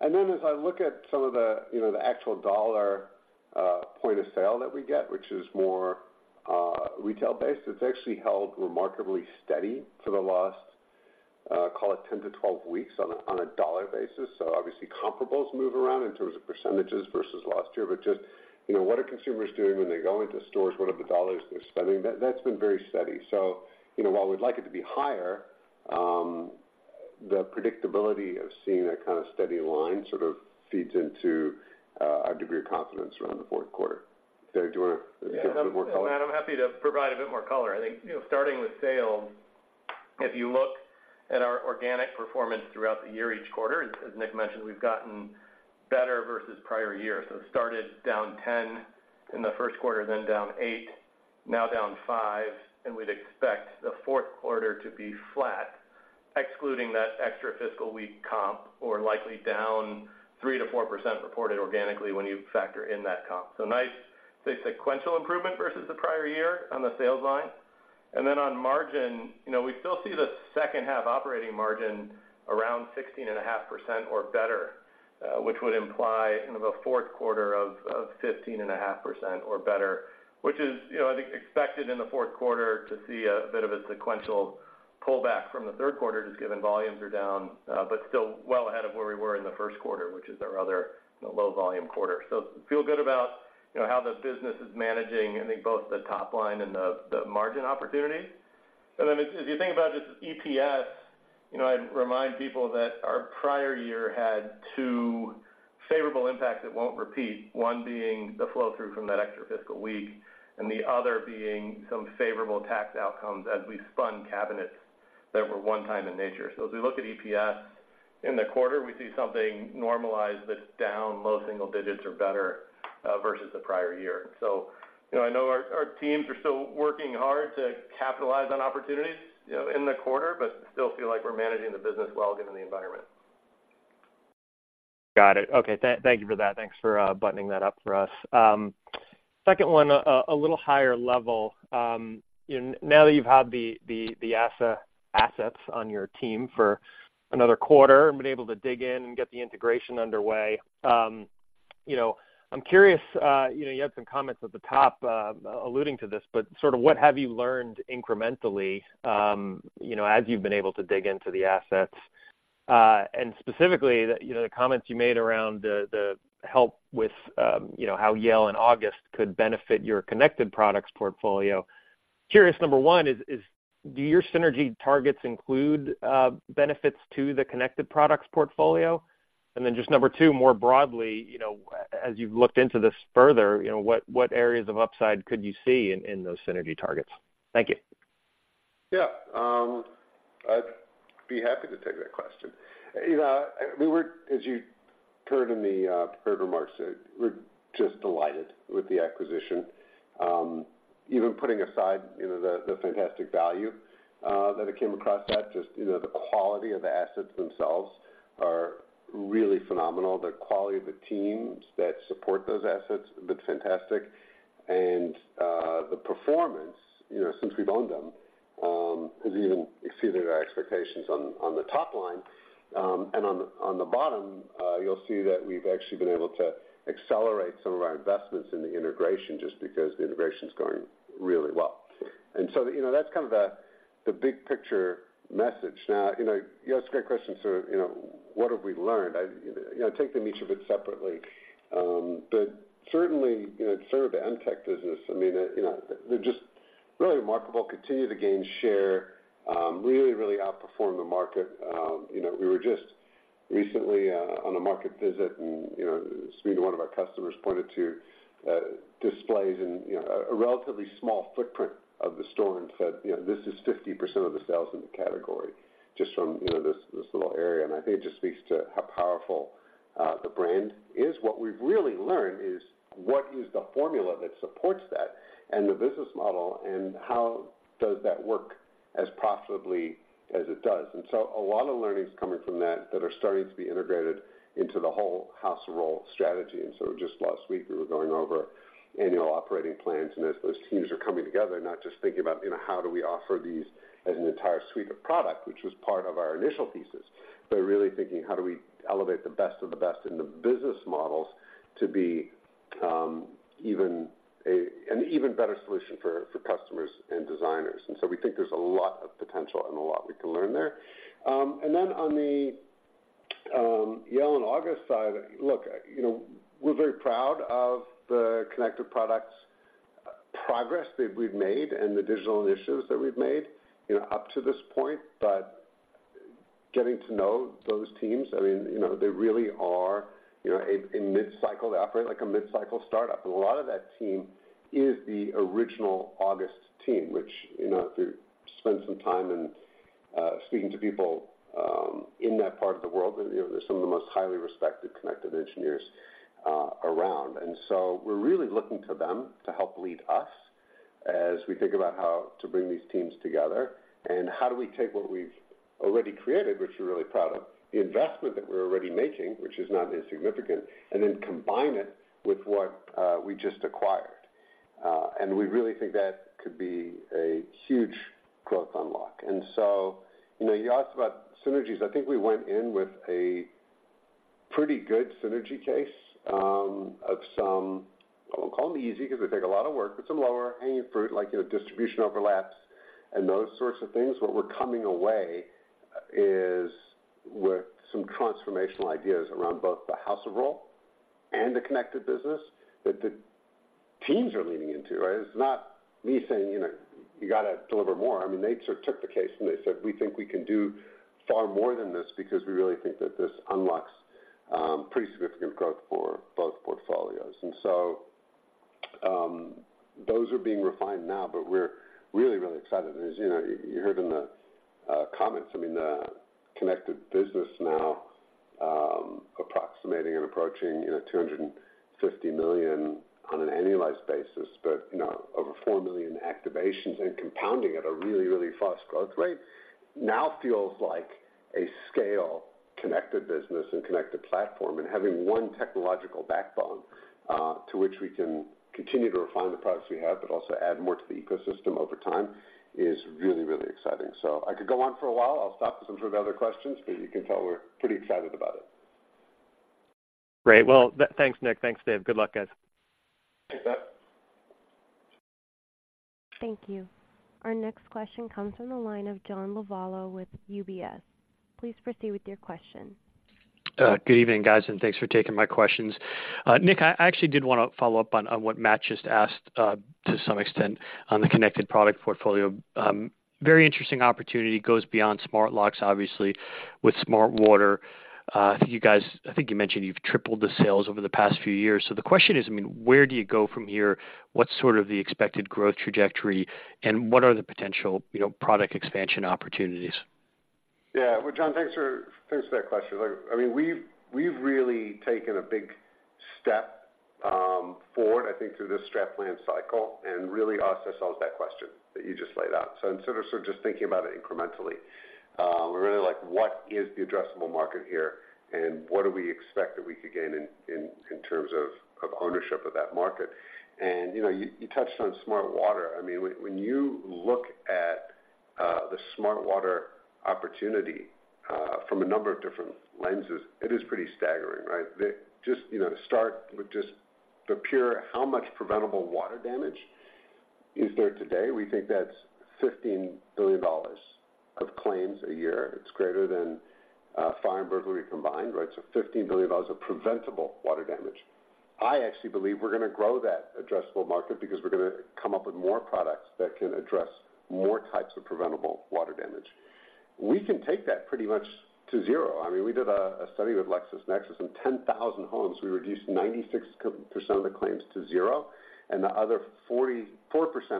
And then as I look at some of the, you know, the actual dollar point of sale that we get, which is more retail-based, it's actually held remarkably steady for the last, call it 10-12 weeks on a dollar basis. So obviously comparables move around in terms of percentages vs last year. But just, you know, what are consumers doing when they go into stores? What are the dollars they're spending? That's been very steady. So, you know, while we'd like it to be higher, the predictability of seeing that kind of steady line sort of feeds into our degree of confidence around the fourth quarter. Dave, do you want to give a bit more color? Yeah, Matt, I'm happy to provide a bit more color. I think, you know, starting with sales, if you look at our organic performance throughout the year, each quarter, as Nick mentioned, we've gotten better vs prior years. So it started down 10% in the first quarter, then down 8%, now down 5%, and we'd expect the fourth quarter to be flat, excluding that extra fiscal week comp, or likely down 3%-4% reported organically when you factor in that comp. So nice, say, sequential improvement vs the prior year on the sales line. And then on margin, you know, we still see the second half operating margin around 16.5% or better, which would imply kind of a fourth quarter of 15.5% or better, which is, you know, I think, expected in the fourth quarter to see a bit of a sequential pullback from the third quarter, just given volumes are down, but still well ahead of where we were in the first quarter, which is our other low volume quarter. So feel good about, you know, how the business is managing, I think, both the top line and the margin opportunity. And then if you think about just EPS, you know, I'd remind people that our prior year had two favorable impacts that won't repeat. One being the flow-through from that extra fiscal week, and the other being some favorable tax outcomes as we spun cabinets that were one-time in nature. So as we look at EPS in the quarter, we see something normalized that's down low single digits or better vs the prior year. So, you know, I know our teams are still working hard to capitalize on opportunities, you know, in the quarter, but still feel like we're managing the business well given the environment. Got it. Okay, thank you for that. Thanks for buttoning that up for us. Second one, a little higher level. Now that you've had the ASSA assets on your team for another quarter and been able to dig in and get the integration underway, you know, I'm curious, you know, you had some comments at the top alluding to this, but sort of what have you learned incrementally, you know, as you've been able to dig into the assets? And specifically, you know, the comments you made around the help with, you know, how Yale and August could benefit your Connected Products portfolio. Curious, number one, do your synergy targets include benefits to the Connected Products portfolio? And then just number two, more broadly, you know, as you've looked into this further, you know, what, what areas of upside could you see in, in those synergy targets? Thank you. Yeah, I'd be happy to take that question. You know, as you heard in the prepared remarks, we're just delighted with the acquisition. Even putting aside, you know, the, the fantastic value that it came across, that just, you know, the quality of the assets themselves are really phenomenal. The quality of the teams that support those assets have been fantastic. And the performance, you know, since we've owned them, has even exceeded our expectations on, on the top line. And on the, on the bottom, you'll see that we've actually been able to accelerate some of our investments in the integration just because the integration's going really well. And so, you know, that's kind of the, the big picture message. Now, you know, you asked a great question, so, you know, what have we learned? I, you know, take them each of it separately. But certainly, you know, sort of the Moen business, I mean, you know, they're just really remarkable, continue to gain share, really, really outperform the market. You know, we were just recently on a market visit, and, you know, speaking to one of our customers, pointed to displays and, you know, a relatively small footprint of the store and said, "You know, this is 50% of the sales in the category, just from, you know, this, this little area." And I think it just speaks to how powerful the brand is. What we've really learned is, what is the formula that supports that and the business model, and how does that work as profitably as it does? And so a lot of learning is coming from that, that are starting to be integrated into the House of Rohl strategy. And so just last week, we were going over annual operating plans, and as those teams are coming together, not just thinking about, you know, how do we offer these as an entire suite of product, which was part of our initial thesis, but really thinking, how do we elevate the best of the best in the business models to be, an even better solution for, for customers and designers? And so we think there's a lot of potential and a lot we can learn there. And then on the, Yale and August side, look, you know, we're very proud of the Connected Products progress that we've made and the digital initiatives that we've made, you know, up to this point. But getting to know those teams, I mean, you know, they really are, you know, a mid-cycle... They operate like a mid-cycle startup. And a lot of that team is the original August team, which, you know, if you spend some time in speaking to people in that part of the world, you know, they're some of the most highly respected connected engineers around. And so we're really looking to them to help lead us as we think about how to bring these teams together and how do we take what we've already created, which we're really proud of, the investment that we're already making, which is not insignificant, and then combine it with what we just acquired. And we really think that could be a huge growth unlock. And so, you know, you asked about synergies. I think we went in with a pretty good synergy case, of some, I won't call them easy because they take a lot of work, but some lower hanging fruit, like, you know, distribution overlaps and those sorts of things. What we're coming away is with some transformational ideas around both the House of Rohl and the connected business that the teams are leaning into, right? It's not me saying, "You know, you got to deliver more." I mean, they sort of took the case, and they said, "We think we can do far more than this because we really think that this unlocks, pretty significant growth for both portfolios." And so, those are being refined now, but we're really, really excited. As you know, you heard in the comments, I mean, the connected business now approximating and approaching, you know, $250 million on an annualized basis, but, you know, over 4 million activations and compounding at a really, really fast growth rate, now feels like a scale connected business and connected platform. And having one technological backbone to which we can continue to refine the products we have, but also add more to the ecosystem over time, is really, really exciting. So I could go on for a while. I'll stop for some other questions, but you can tell we're pretty excited about it. Great. Well, thanks, Nick. Thanks, Dave. Good luck, guys. Thanks, Matt. Thank you. Our next question comes from the line of John Lovallo with UBS. Please proceed with your question. Good evening, guys, and thanks for taking my questions. Nick, I actually did want to follow up on what Matt just asked, to some extent on the Connected Product portfolio. Very interesting opportunity, goes beyond smart locks, obviously, with smart water. You guys, I think you mentioned you've tripled the sales over the past few years. So the question is, I mean, where do you go from here? What's sort of the expected growth trajectory, and what are the potential, you know, product expansion opportunities? Yeah. Well, John, thanks for that question. I mean, we've really taken a big step forward, I think, through this strat plan cycle and really asked ourselves that question that you just laid out. So instead of sort of just thinking about it incrementally, we're really like, what is the addressable market here, and what do we expect that we could gain in terms of ownership of that market? And, you know, you touched on smart water. I mean, when you look at the smart water opportunity from a number of different lenses, it is pretty staggering, right? Just, you know, to start with just the pure, how much preventable water damage is there today? We think that's $15 billion of claims a year. It's greater than fire and burglary combined, right? So $15 billion of preventable water damage. I actually believe we're going to grow that addressable market because we're going to come up with more products that can address more types of preventable water damage. We can take that pretty much to zero. I mean, we did a study with LexisNexis, in 10,000 homes, we reduced 96% of the claims to zero, and the other 44%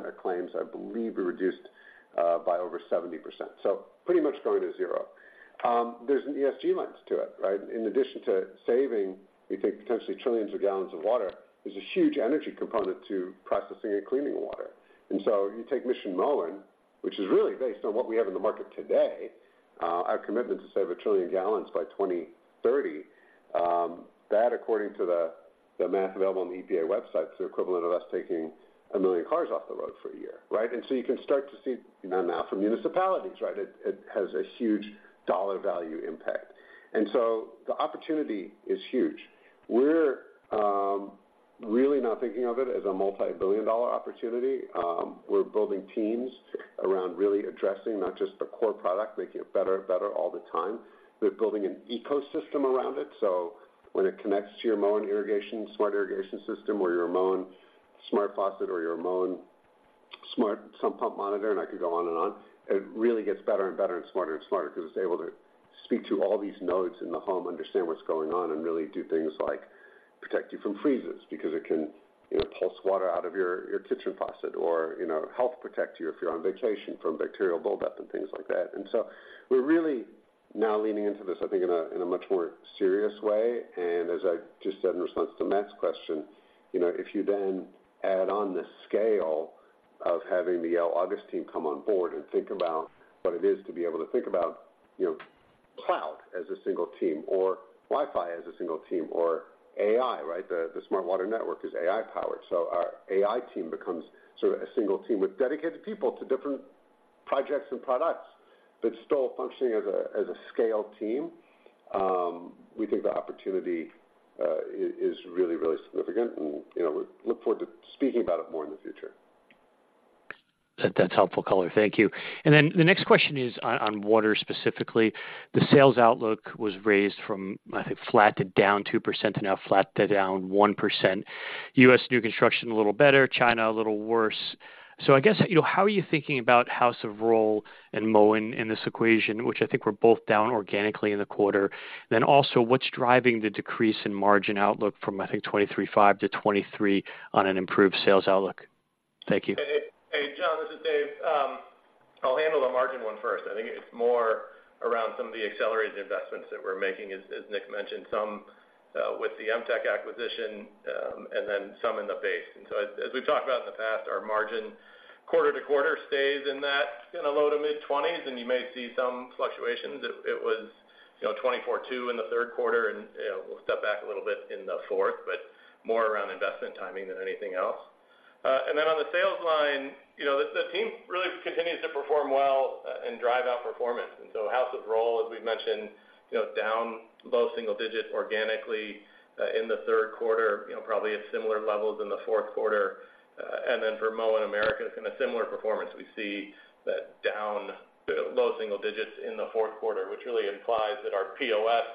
of claims, I believe, were reduced by over 70%. So pretty much going to zero. There's an ESG lens to it, right? In addition to saving, we think, potentially trillions of gallons of water, there's a huge energy component to processing and cleaning water. And so you take Mission Moen, which is really based on what we have in the market today, our commitment to save a trillion gallons by 2030-... That, according to the math available on the EPA website, is the equivalent of us taking 1 million cars off the road for a year, right? And so you can start to see now from municipalities, right, it has a huge dollar value impact. And so the opportunity is huge. We're really now thinking of it as a multi-billion-dollar opportunity. We're building teams around really addressing not just the core product, making it better and better all the time. We're building an ecosystem around it, so when it connects to your Moen irrigation, smart irrigation system or your Moen Smart Faucet or your Moen Smart Sump Pump Monitor, and I could go on and on, it really gets better and better and smarter and smarter because it's able to speak to all these nodes in the home, understand what's going on, and really do things like protect you from freezes because it can, you know, pulse water out of your, your kitchen faucet or, you know, help protect you if you're on vacation from bacterial buildup and things like that. And so we're really now leaning into this, I think, in a, in a much more serious way. As I just said in response to Matt's question, you know, if you then add on the scale of having the Yale August team come on board and think about what it is to be able to think about, you know, cloud as a single team or Wi-Fi as a single team or AI, right? The Smart Water Network is AI powered, so our AI team becomes sort of a single team with dedicated people to different projects and products, but still functioning as a scale team. We think the opportunity is really, really significant, and, you know, we look forward to speaking about it more in the future. That's helpful color. Thank you. And then the next question is on water specifically. The sales outlook was raised from, I think, flat to down 2% to now flat to down 1%. U.S. new construction, a little better, China, a little worse. So I guess, you know, how are you thinking about House of Rohl and Moen in this equation, which I think were both down organically in the quarter? Then also, what's driving the decrease in margin outlook from, I think, 23.5 to 23 on an improved sales outlook? Thank you. Hey, John, this is Dave. I'll handle the margin one first. I think it's more around some of the accelerated investments that we're making, as Nick mentioned, some with the Emtek acquisition, and then some in the base. So as we've talked about in the past, our margin quarter-to-quarter stays in that low-to-mid 20s, and you may see some fluctuations. It was, you know, 24.2% in the third quarter, and, you know, we'll step back a little bit in the fourth, but more around investment timing than anything else. And then on the sales line, you know, the team really continues to perform well, and drive out performance. And so House of Rohl, as we've mentioned, you know, down low single digits organically in the third quarter, you know, probably at similar levels in the fourth quarter. And then for Moen Americas, it's been a similar performance. We see that down low single digits in the fourth quarter, which really implies that our POS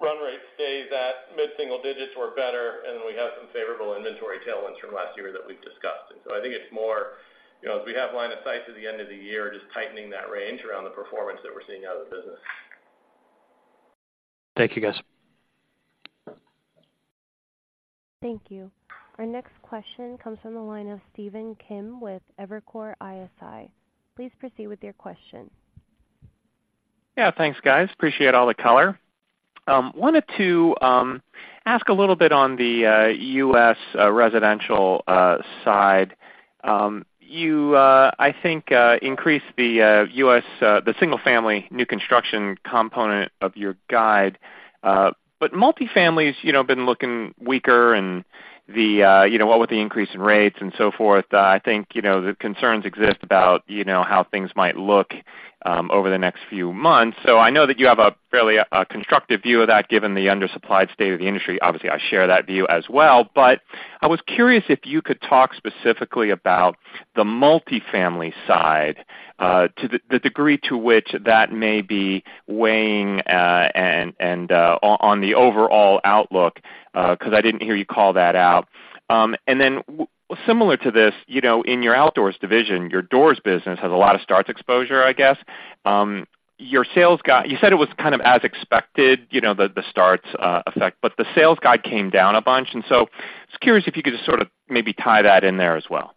run rate stays at mid-single digits or better, and we have some favorable inventory tailwinds from last year that we've discussed. And so I think it's more, you know, as we have line of sight to the end of the year, just tightening that range around the performance that we're seeing out of the business. Thank you, guys. Thank you. Our next question comes from the line of Stephen Kim with Evercore ISI. Please proceed with your question. Yeah, thanks, guys. Appreciate all the color. Wanted to ask a little bit on the U.S. residential side. You, I think, increased the U.S. single family new construction component of your guide, but multifamily has, you know, been looking weaker and the, you know, what with the increase in rates and so forth, I think, you know, the concerns exist about, you know, how things might look over the next few months. So I know that you have a fairly constructive view of that, given the undersupplied state of the industry. Obviously, I share that view as well. But I was curious if you could talk specifically about the multifamily side, to the degree to which that may be weighing and on the overall outlook, because I didn't hear you call that out. And then similar to this, you know, in your Outdoors division, your doors business has a lot of starts exposure, I guess. Your sales guide—you said it was kind of as expected, you know, the starts effect, but the sales guide came down a bunch, and so I was curious if you could just sort of maybe tie that in there as well.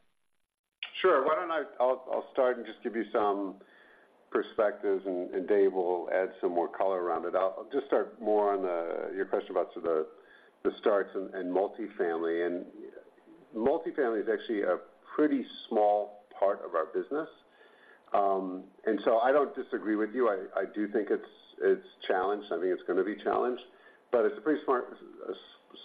Sure. Why don't I. I'll start and just give you some perspectives, and Dave will add some more color around it. I'll just start more on your question about sort of the starts and multifamily. And multifamily is actually a pretty small part of our business. And so I don't disagree with you. I do think it's challenged. I think it's going to be challenged, but it's a pretty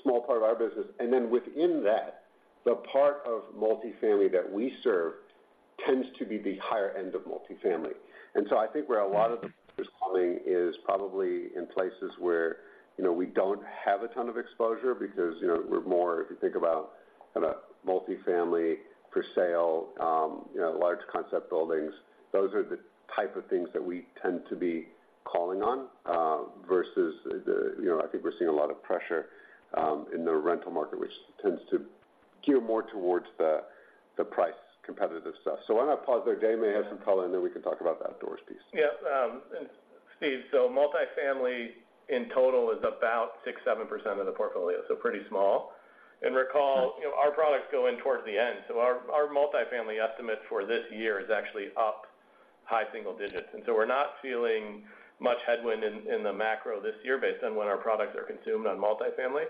small part of our business. And then within that, the part of multifamily that we serve tends to be the higher end of multifamily. And so I think where a lot of the calling is probably in places where, you know, we don't have a ton of exposure because, you know, we're more, if you think about kind of multifamily for sale, you know, large complex buildings, those are the type of things that we tend to be calling on, vs the, you know, I think we're seeing a lot of pressure, in the rental market, which tends to gear more towards the, the price competitive stuff. So why don't I pause there? Dave may have some color, and then we can talk about the Outdoors piece. Yeah, and Steve, so multifamily in total is about 6%-7% of the portfolio, so pretty small. And recall, you know, our products go in towards the end. So our multifamily estimate for this year is actually up high single digits, and so we're not feeling much headwind in the macro this year based on when our products are consumed on multifamily.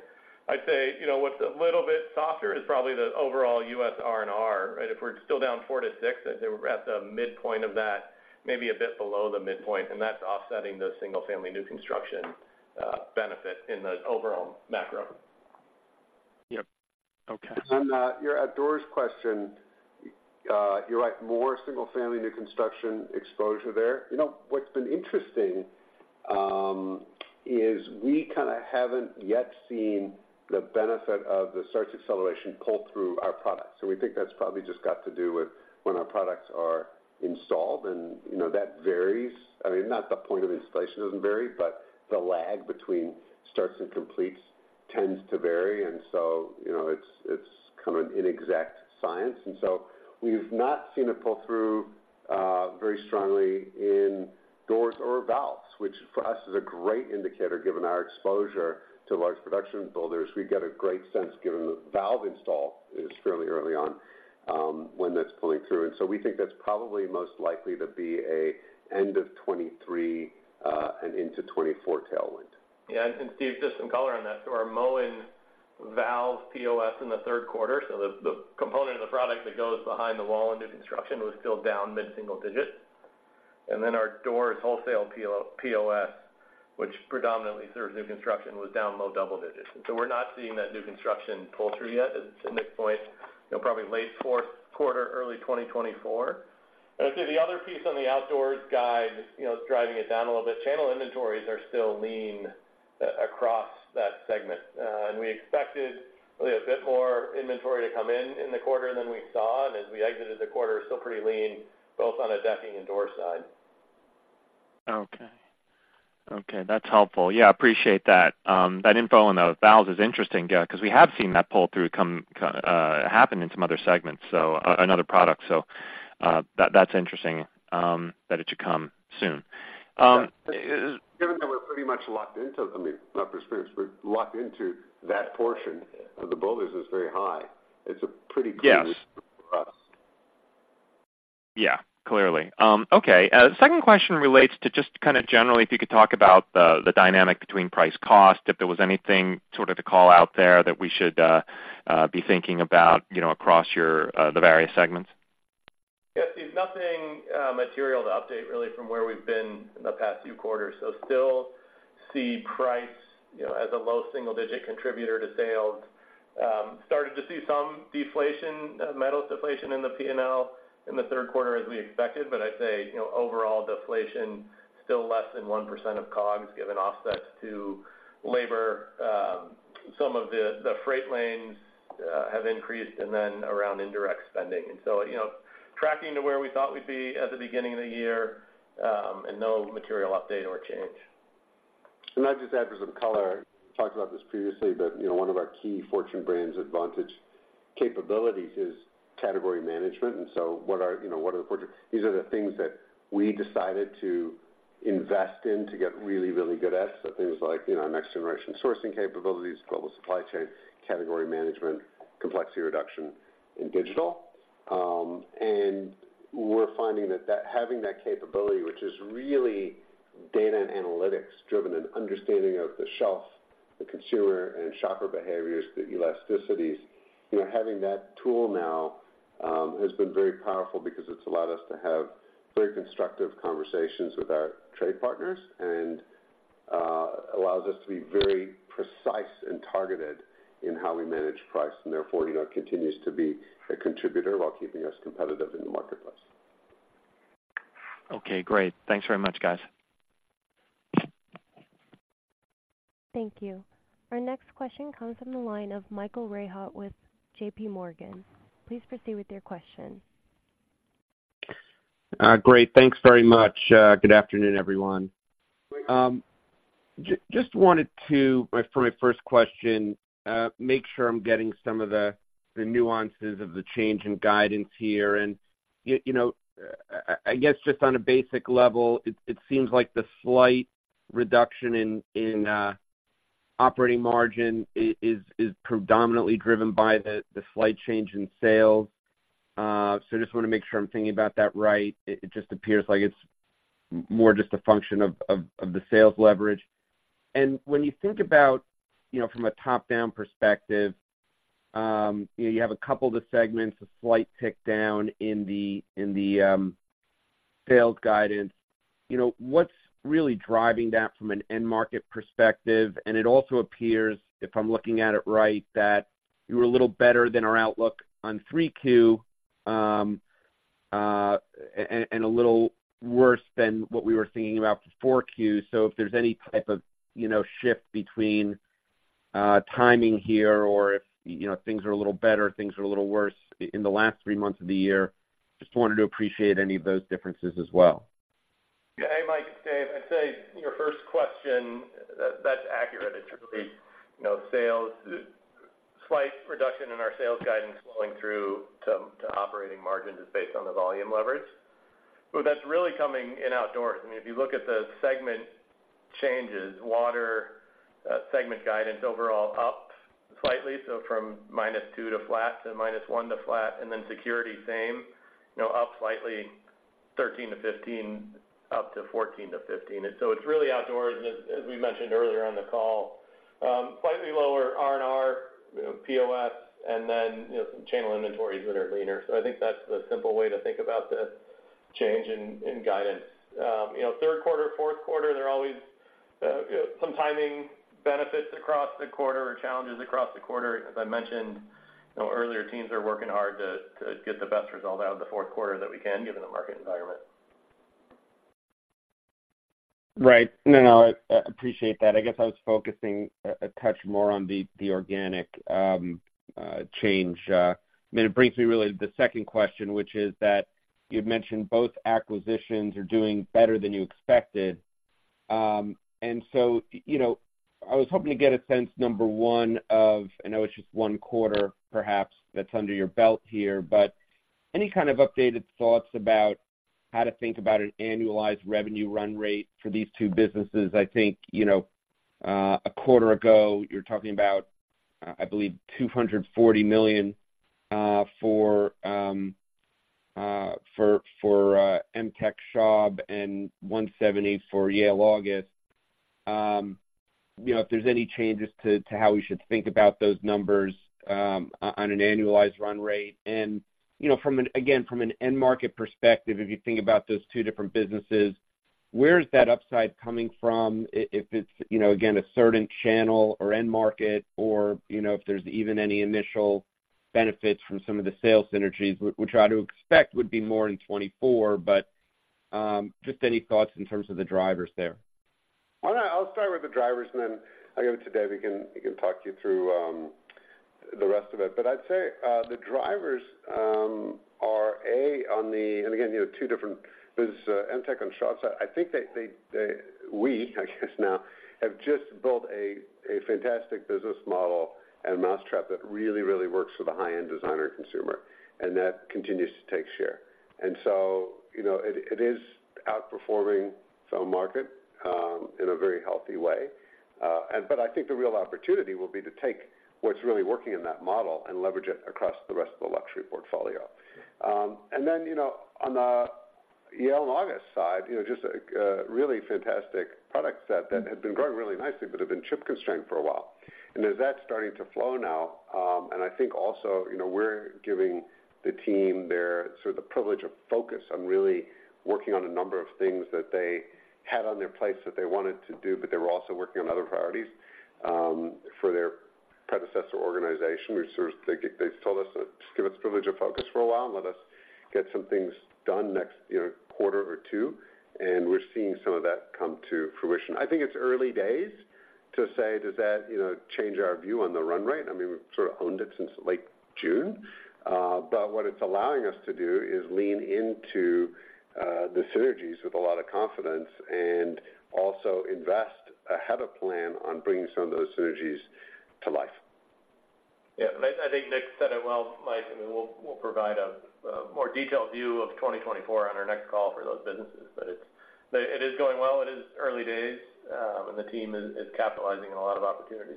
I'd say, you know, what's a little bit softer is probably the overall U.S. R&R, right? If we're still down 4%-6%, I think we're at the midpoint of that, maybe a bit below the midpoint, and that's offsetting the single-family new construction benefit in the overall macro.... Yep. Okay. On your Outdoors question, you're right, more single-family new construction exposure there. You know, what's been interesting is we kind of haven't yet seen the benefit of the starts acceleration pull through our products. So we think that's probably just got to do with when our products are installed, and, you know, that varies. I mean, not the point of installation doesn't vary, but the lag between starts and completes tends to vary, and so, you know, it's kind of an inexact science. And so we've not seen it pull through very strongly in doors or valves, which for us is a great indicator, given our exposure to large production builders. We get a great sense, given the valve install is fairly early on, when that's pulling through. And so we think that's probably most likely to be an end of 2023, and into 2024 tailwind. Yeah, and Steve, just some color on that. So our Moen valve POS in the third quarter, so the component of the product that goes behind the wall in new construction, was still down mid-single digit. And then our doors wholesale POS, which predominantly serves new construction, was down low double digits. So we're not seeing that new construction pull through yet. It's, at this point, you know, probably late fourth quarter, early 2024. I'd say the other piece on the Outdoors guide, you know, is driving it down a little bit. Channel inventories are still lean across that segment. And we expected really a bit more inventory to come in in the quarter than we saw, and as we exited the quarter, still pretty lean, both on the decking and door side. Okay. Okay, that's helpful. Yeah, I appreciate that. That info on the valves is interesting, because we have seen that pull-through come happen in some other segments, so, another product. So, that's interesting, that it should come soon. Is- Given that we're pretty much locked into them, I mean, not pretty much, we're locked into that portion of the builders is very high. It's a pretty clear- Yes. For us. Yeah, clearly. Okay. Second question relates to just kind of generally, if you could talk about the dynamic between price-cost, if there was anything sort of to call out there that we should be thinking about, you know, across the various segments. Yeah, Steve, nothing material to update really from where we've been in the past few quarters. So still see price, you know, as a low single digit contributor to sales. Starting to see some deflation, metal deflation in the P&L in the third quarter as we expected, but I'd say, you know, overall deflation still less than 1% of COGS, given offsets to labor, some of the, the freight lanes have increased, and then around indirect spending. And so, you know, tracking to where we thought we'd be at the beginning of the year, and no material update or change. I'll just add for some color, talked about this previously, but, you know, one of our key Fortune Brands Advantage capabilities is category management. And so what are, you know, what are the Fortune—These are the things that we decided to invest in to get really, really good at. So things like, you know, next generation sourcing capabilities, global supply chain, category management, complexity reduction, and digital. And we're finding that having that capability, which is really data and analytics driven and understanding of the shelf, the consumer and shopper behaviors, the elasticities. You know, having that tool now has been very powerful because it's allowed us to have very constructive conversations with our trade partners, and allows us to be very precise and targeted in how we manage price, and therefore, you know, continues to be a contributor while keeping us competitive in the marketplace. Okay, great. Thanks very much, guys. Thank you. Our next question comes from the line of Michael Rehaut with JPMorgan. Please proceed with your question. Great, thanks very much. Good afternoon, everyone. Just wanted to, for my first question, make sure I'm getting some of the nuances of the change in guidance here. You know, I guess just on a basic level, it seems like the slight reduction in operating margin is predominantly driven by the slight change in sales. So I just want to make sure I'm thinking about that right. It just appears like it's more just a function of the sales leverage. When you think about, you know, from a top-down perspective, you know, you have a couple of the segments, a slight tick down in the sales guidance. You know, what's really driving that from an end market perspective? It also appears, if I'm looking at it right, that you were a little better than our outlook on 3Q, and a little worse than what we were thinking about for 4Q. So if there's any type of, you know, shift between timing here or if, you know, things are a little better, things are a little worse in the last 3 months of the year, just wanted to appreciate any of those differences as well. Yeah. Hey, Mike, it's Dave. I'd say your first question, that's accurate. It's really, you know, sales, slight reduction in our sales guidance flowing through to operating margins is based on the volume leverage. But that's really coming in Outdoors. I mean, if you look at the segment changes, water segment guidance overall up slightly, so from -2% to flat to -1% to flat, and then Security, same, you know, up slightly, 13%-15%, up to 14%-15%. And so it's really Outdoors, as we mentioned earlier on the call. Slightly lower R&R POS and then, you know, some channel inventories that are leaner. So I think that's the simple way to think about the change in guidance. You know, third quarter, fourth quarter, there are always some timing benefits across the quarter or challenges across the quarter. As I mentioned, you know, earlier, teams are working hard to get the best result out of the fourth quarter that we can, given the market environment. Right. No, no, I appreciate that. I guess I was focusing a touch more on the organic change. I mean, it brings me really to the second question, which is that you've mentioned both acquisitions are doing better than you expected. And so, you know, I was hoping to get a sense, number one, of—I know it's just one quarter perhaps that's under your belt here, but any kind of updated thoughts about how to think about an annualized revenue run rate for these two businesses? I think, you know, a quarter ago, you were talking about, I believe $240 million for Emtek, Schaub, and $178 million for Yale, August. You know, if there's any changes to how we should think about those numbers on an annualized run rate. You know, from an end market perspective, again, if you think about those two different businesses, where is that upside coming from? If it's, you know, again, a certain channel or end market or, you know, if there's even any initial benefits from some of the sales synergies, which I would expect would be more in 2024. But just any thoughts in terms of the drivers there? Well, I'll start with the drivers, and then I'll give it to Dave. He can, he can talk you through, the rest of it. But I'd say, the drivers, are, A, on the... And again, you know, two different business, Emtek and Schaub. I think they, they, they—we, I guess now, have just built a, a fantastic business model and a mousetrap that really, really works for the high-end designer consumer, and that continues to take share. And so, you know, it, it is outperforming some market, in a very healthy way. And but I think the real opportunity will be to take what's really working in that model and leverage it across the rest of the luxury portfolio. And then, you know, on the Yale and August side, you know, just a really fantastic product set that had been growing really nicely, but had been chip constrained for a while. And as that's starting to flow now, and I think also, you know, we're giving the team there sort of the privilege of focus on really working on a number of things that they had on their plates that they wanted to do, but they were also working on other priorities, for their predecessor organization, which sort of they told us, "Just give us the privilege of focus for a while and let us get some things done next, you know, quarter or two." And we're seeing some of that come to fruition. I think it's early days to say, does that, you know, change our view on the run rate? I mean, we've sort of owned it since late June. But what it's allowing us to do is lean into the synergies with a lot of confidence and also invest ahead of plan on bringing some of those synergies to life. Yeah, I think Nick said it well, Mike. I mean, we'll provide a more detailed view of 2024 on our next call for those businesses, but it is going well. It is early days, and the team is capitalizing on a lot of opportunities.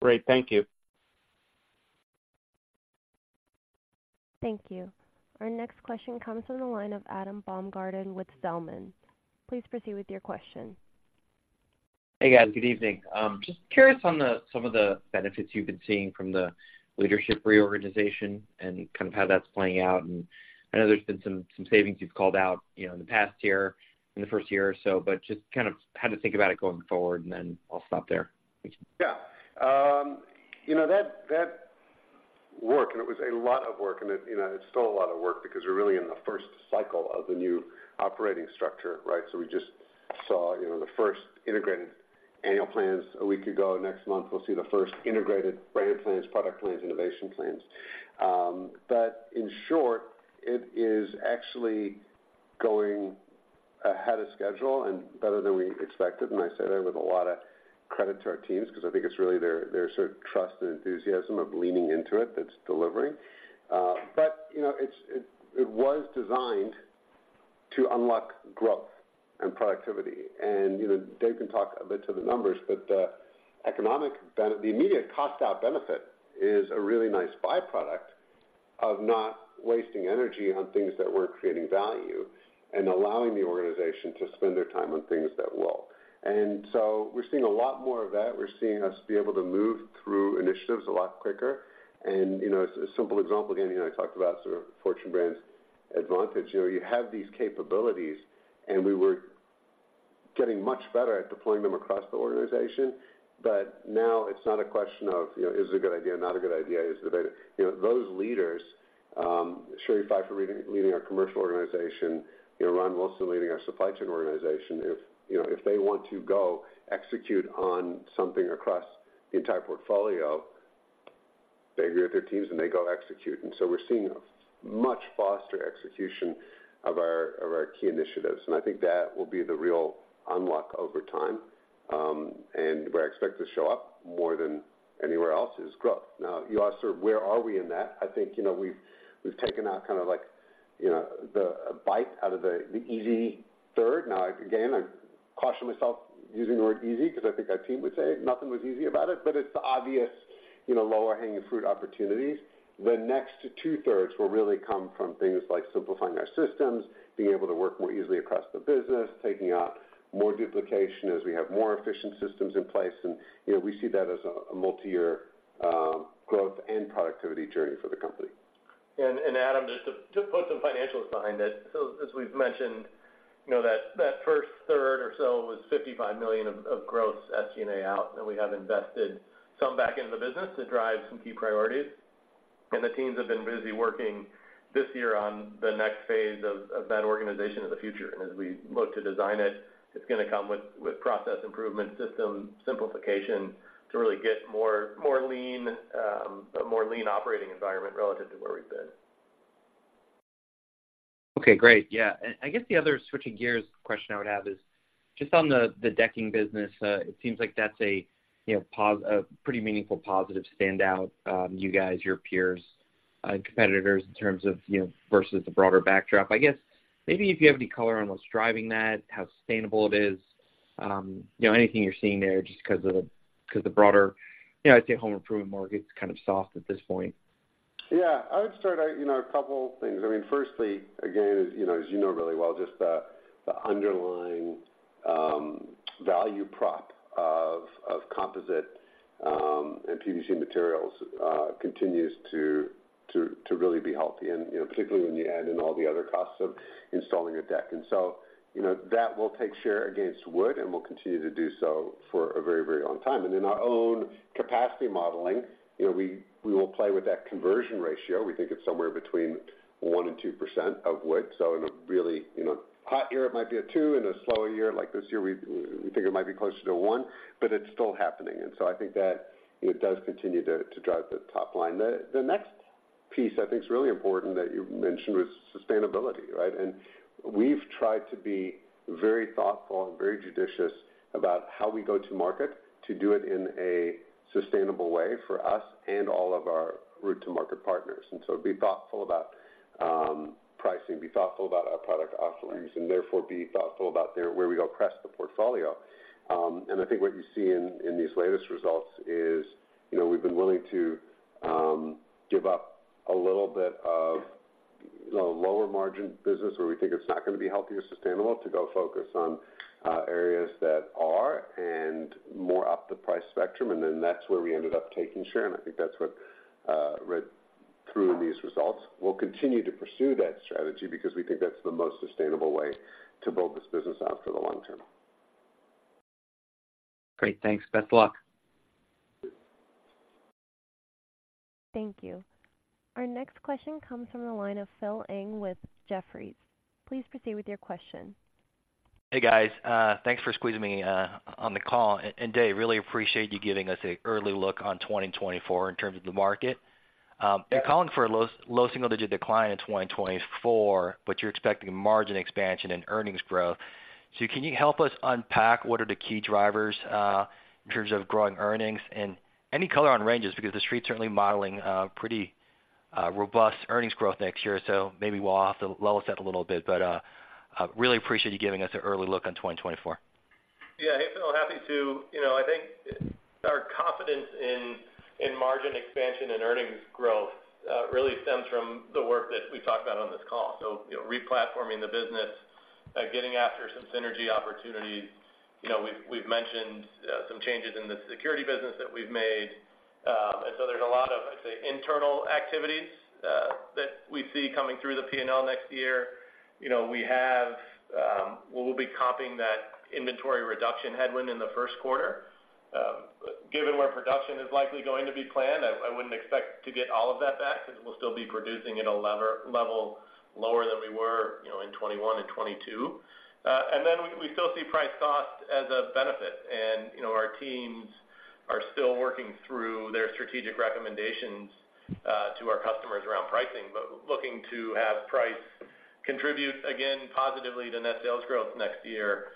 Great. Thank you. Thank you. Our next question comes from the line of Adam Baumgarten with Zelman. Please proceed with your question. Hey, guys. Good evening. Just curious on some of the benefits you've been seeing from the leadership reorganization and kind of how that's playing out. I know there's been some savings you've called out, you know, in the past year, in the first year or so. But just kind of how to think about it going forward, and then I'll stop there. Thank you. Yeah. You know, that work, and it was a lot of work, and it, you know, it's still a lot of work because we're really in the first cycle of the new operating structure, right? So we just saw, you know, the first integrated annual plans a week ago. Next month, we'll see the first integrated brand plans, product plans, innovation plans. But in short, it is actually going ahead of schedule and better than we expected. And I say that with a lot of credit to our teams because I think it's really their sort of trust and enthusiasm of leaning into it that's delivering. But, you know, it was designed to unlock growth and productivity. And, you know, Dave can talk a bit to the numbers, but the economic benefit, the immediate cost out benefit is a really nice by-product of not wasting energy on things that weren't creating value and allowing the organization to spend their time on things that will. And so we're seeing a lot more of that. We're seeing us be able to move through initiatives a lot quicker. And, you know, a simple example, again, you know, I talked about sort of Fortune Brands Advantage. You know, you have these capabilities, and we were getting much better at deploying them across the organization. But now it's not a question of, you know, is it a good idea, not a good idea? You know, those leaders, Cheri Phyfer, leading our commercial organization, you know, Ron Wilson, leading our supply chain organization, if, you know, if they want to go execute on something across the entire portfolio, they grab their teams, and they go execute. And so we're seeing a much faster execution of our, of our key initiatives, and I think that will be the real unlock over time, and where I expect to show up more than anywhere else is growth. Now, you ask sort of where are we in that? I think, you know, we've, we've taken out kind of like, you know, the-- a bite out of the, the easy third. Now, again, I caution myself using the word easy because I think our team would say nothing was easy about it, but it's the obvious-... you know, lower hanging fruit opportunities. The next 2/3 will really come from things like simplifying our systems, being able to work more easily across the business, taking out more duplication as we have more efficient systems in place, and, you know, we see that as a multi-year growth and productivity journey for the company. And Adam, just to put some financials behind it. So as we've mentioned, you know, that 1/3 or so was $55 million of gross SG&A out, and we have invested some back in the business to drive some key priorities. And the teams have been busy working this year on the next phase of that organization of the future. And as we look to design it, it's gonna come with process improvement, system simplification to really get more lean, a more lean operating environment relative to where we've been. Okay, great. Yeah. And I guess the other, switching gears, question I would have is just on the decking business. It seems like that's a pretty meaningful positive standout, you guys, your peers, competitors, in terms of, you know, vs the broader backdrop. I guess, maybe if you have any color on what's driving that, how sustainable it is, you know, anything you're seeing there, just 'cause the broader, you know, I'd say, home improvement market's kind of soft at this point. Yeah, I would start out, you know, a couple things. I mean, firstly, again, as you know, as you know really well, just the underlying value prop of composite and PVC materials continues to really be healthy and, you know, particularly when you add in all the other costs of installing a deck. And so, you know, that will take share against wood and will continue to do so for a very, very long time. And in our own capacity modeling, you know, we will play with that conversion ratio. We think it's somewhere between 1% and 2% of wood. So in a really, you know, hot year, it might be a 2. In a slower year, like this year, we think it might be closer to 1, but it's still happening. And so I think that it does continue to drive the top line. The next piece I think is really important that you mentioned was sustainability, right? And we've tried to be very thoughtful and very judicious about how we go to market, to do it in a sustainable way for us and all of our route to market partners. And so be thoughtful about pricing, be thoughtful about our product offerings, and therefore be thoughtful about where we go across the portfolio. And I think what you see in these latest results is, you know, we've been willing to give up a little bit of the lower margin business where we think it's not gonna be healthy or sustainable, to go focus on areas that are and more up the price spectrum, and then that's where we ended up taking share, and I think that's what read through in these results. We'll continue to pursue that strategy because we think that's the most sustainable way to build this business out for the long term. Great. Thanks. Best of luck. Thank you. Our next question comes from the line of Phil Ng with Jefferies. Please proceed with your question. Hey, guys. Thanks for squeezing me on the call. And, Dave, really appreciate you giving us an early look on 2024 in terms of the market. You're calling for a low, low single-digit decline in 2024, but you're expecting margin expansion and earnings growth. So can you help us unpack what are the key drivers in terms of growing earnings? And any color on ranges, because the street's certainly modeling a pretty robust earnings growth next year, so maybe we'll have to level set a little bit. But really appreciate you giving us an early look on 2024. Yeah. Hey, Phil, happy to. You know, I think our confidence in, in margin expansion and earnings growth, really stems from the work that we talked about on this call. So, you know, replatforming the business, getting after some synergy opportunities. You know, we've, we've mentioned, some changes in the security business that we've made. And so there's a lot of, I'd say, internal activities, that we see coming through the P&L next year. You know, we have... We'll be carrying that inventory reduction headwind in the first quarter. Given where production is likely going to be planned, I, I wouldn't expect to get all of that back because we'll still be producing at a lower level than we were, you know, in 2021 and 2022. And then we, we still see price cost as a benefit. You know, our teams are still working through their strategic recommendations to our customers around pricing, but looking to have price contribute again, positively to net sales growth next year,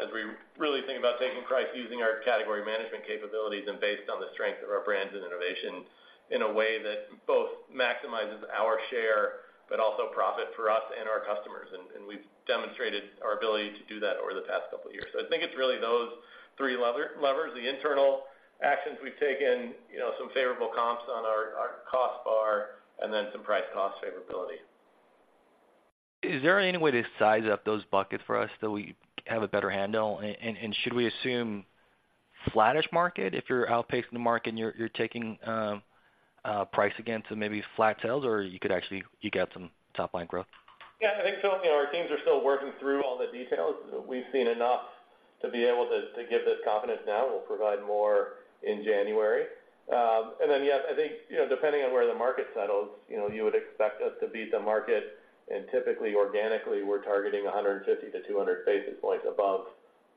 as we really think about taking price, using our category management capabilities and based on the strength of our brands and innovation in a way that both maximizes our share, but also profit for us and our customers. And we've demonstrated our ability to do that over the past couple of years. So I think it's really those three levers: the internal actions we've taken, you know, some favorable comps on our cost bar, and then some price cost favorability. Is there any way to size up those buckets for us so we have a better handle? And should we assume a flattish market if you're outpacing the market and you're taking price against maybe flat sales, or could you actually get some top line growth? Yeah, I think so. You know, our teams are still working through all the details. We've seen enough to be able to, to give this confidence now. We'll provide more in January. And then, yeah, I think, you know, depending on where the market settles, you know, you would expect us to beat the market, and typically, organically, we're targeting 150-200 basis points above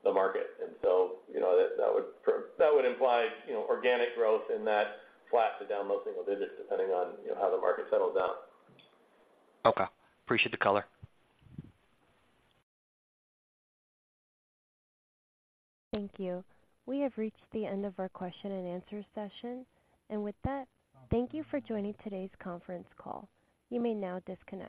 the market. And so, you know, that would imply, you know, organic growth in that flat to down low single digits, depending on, you know, how the market settles out. Okay. Appreciate the color. Thank you. We have reached the end of our question-and-answer session. With that, thank you for joining today's conference call. You may now disconnect.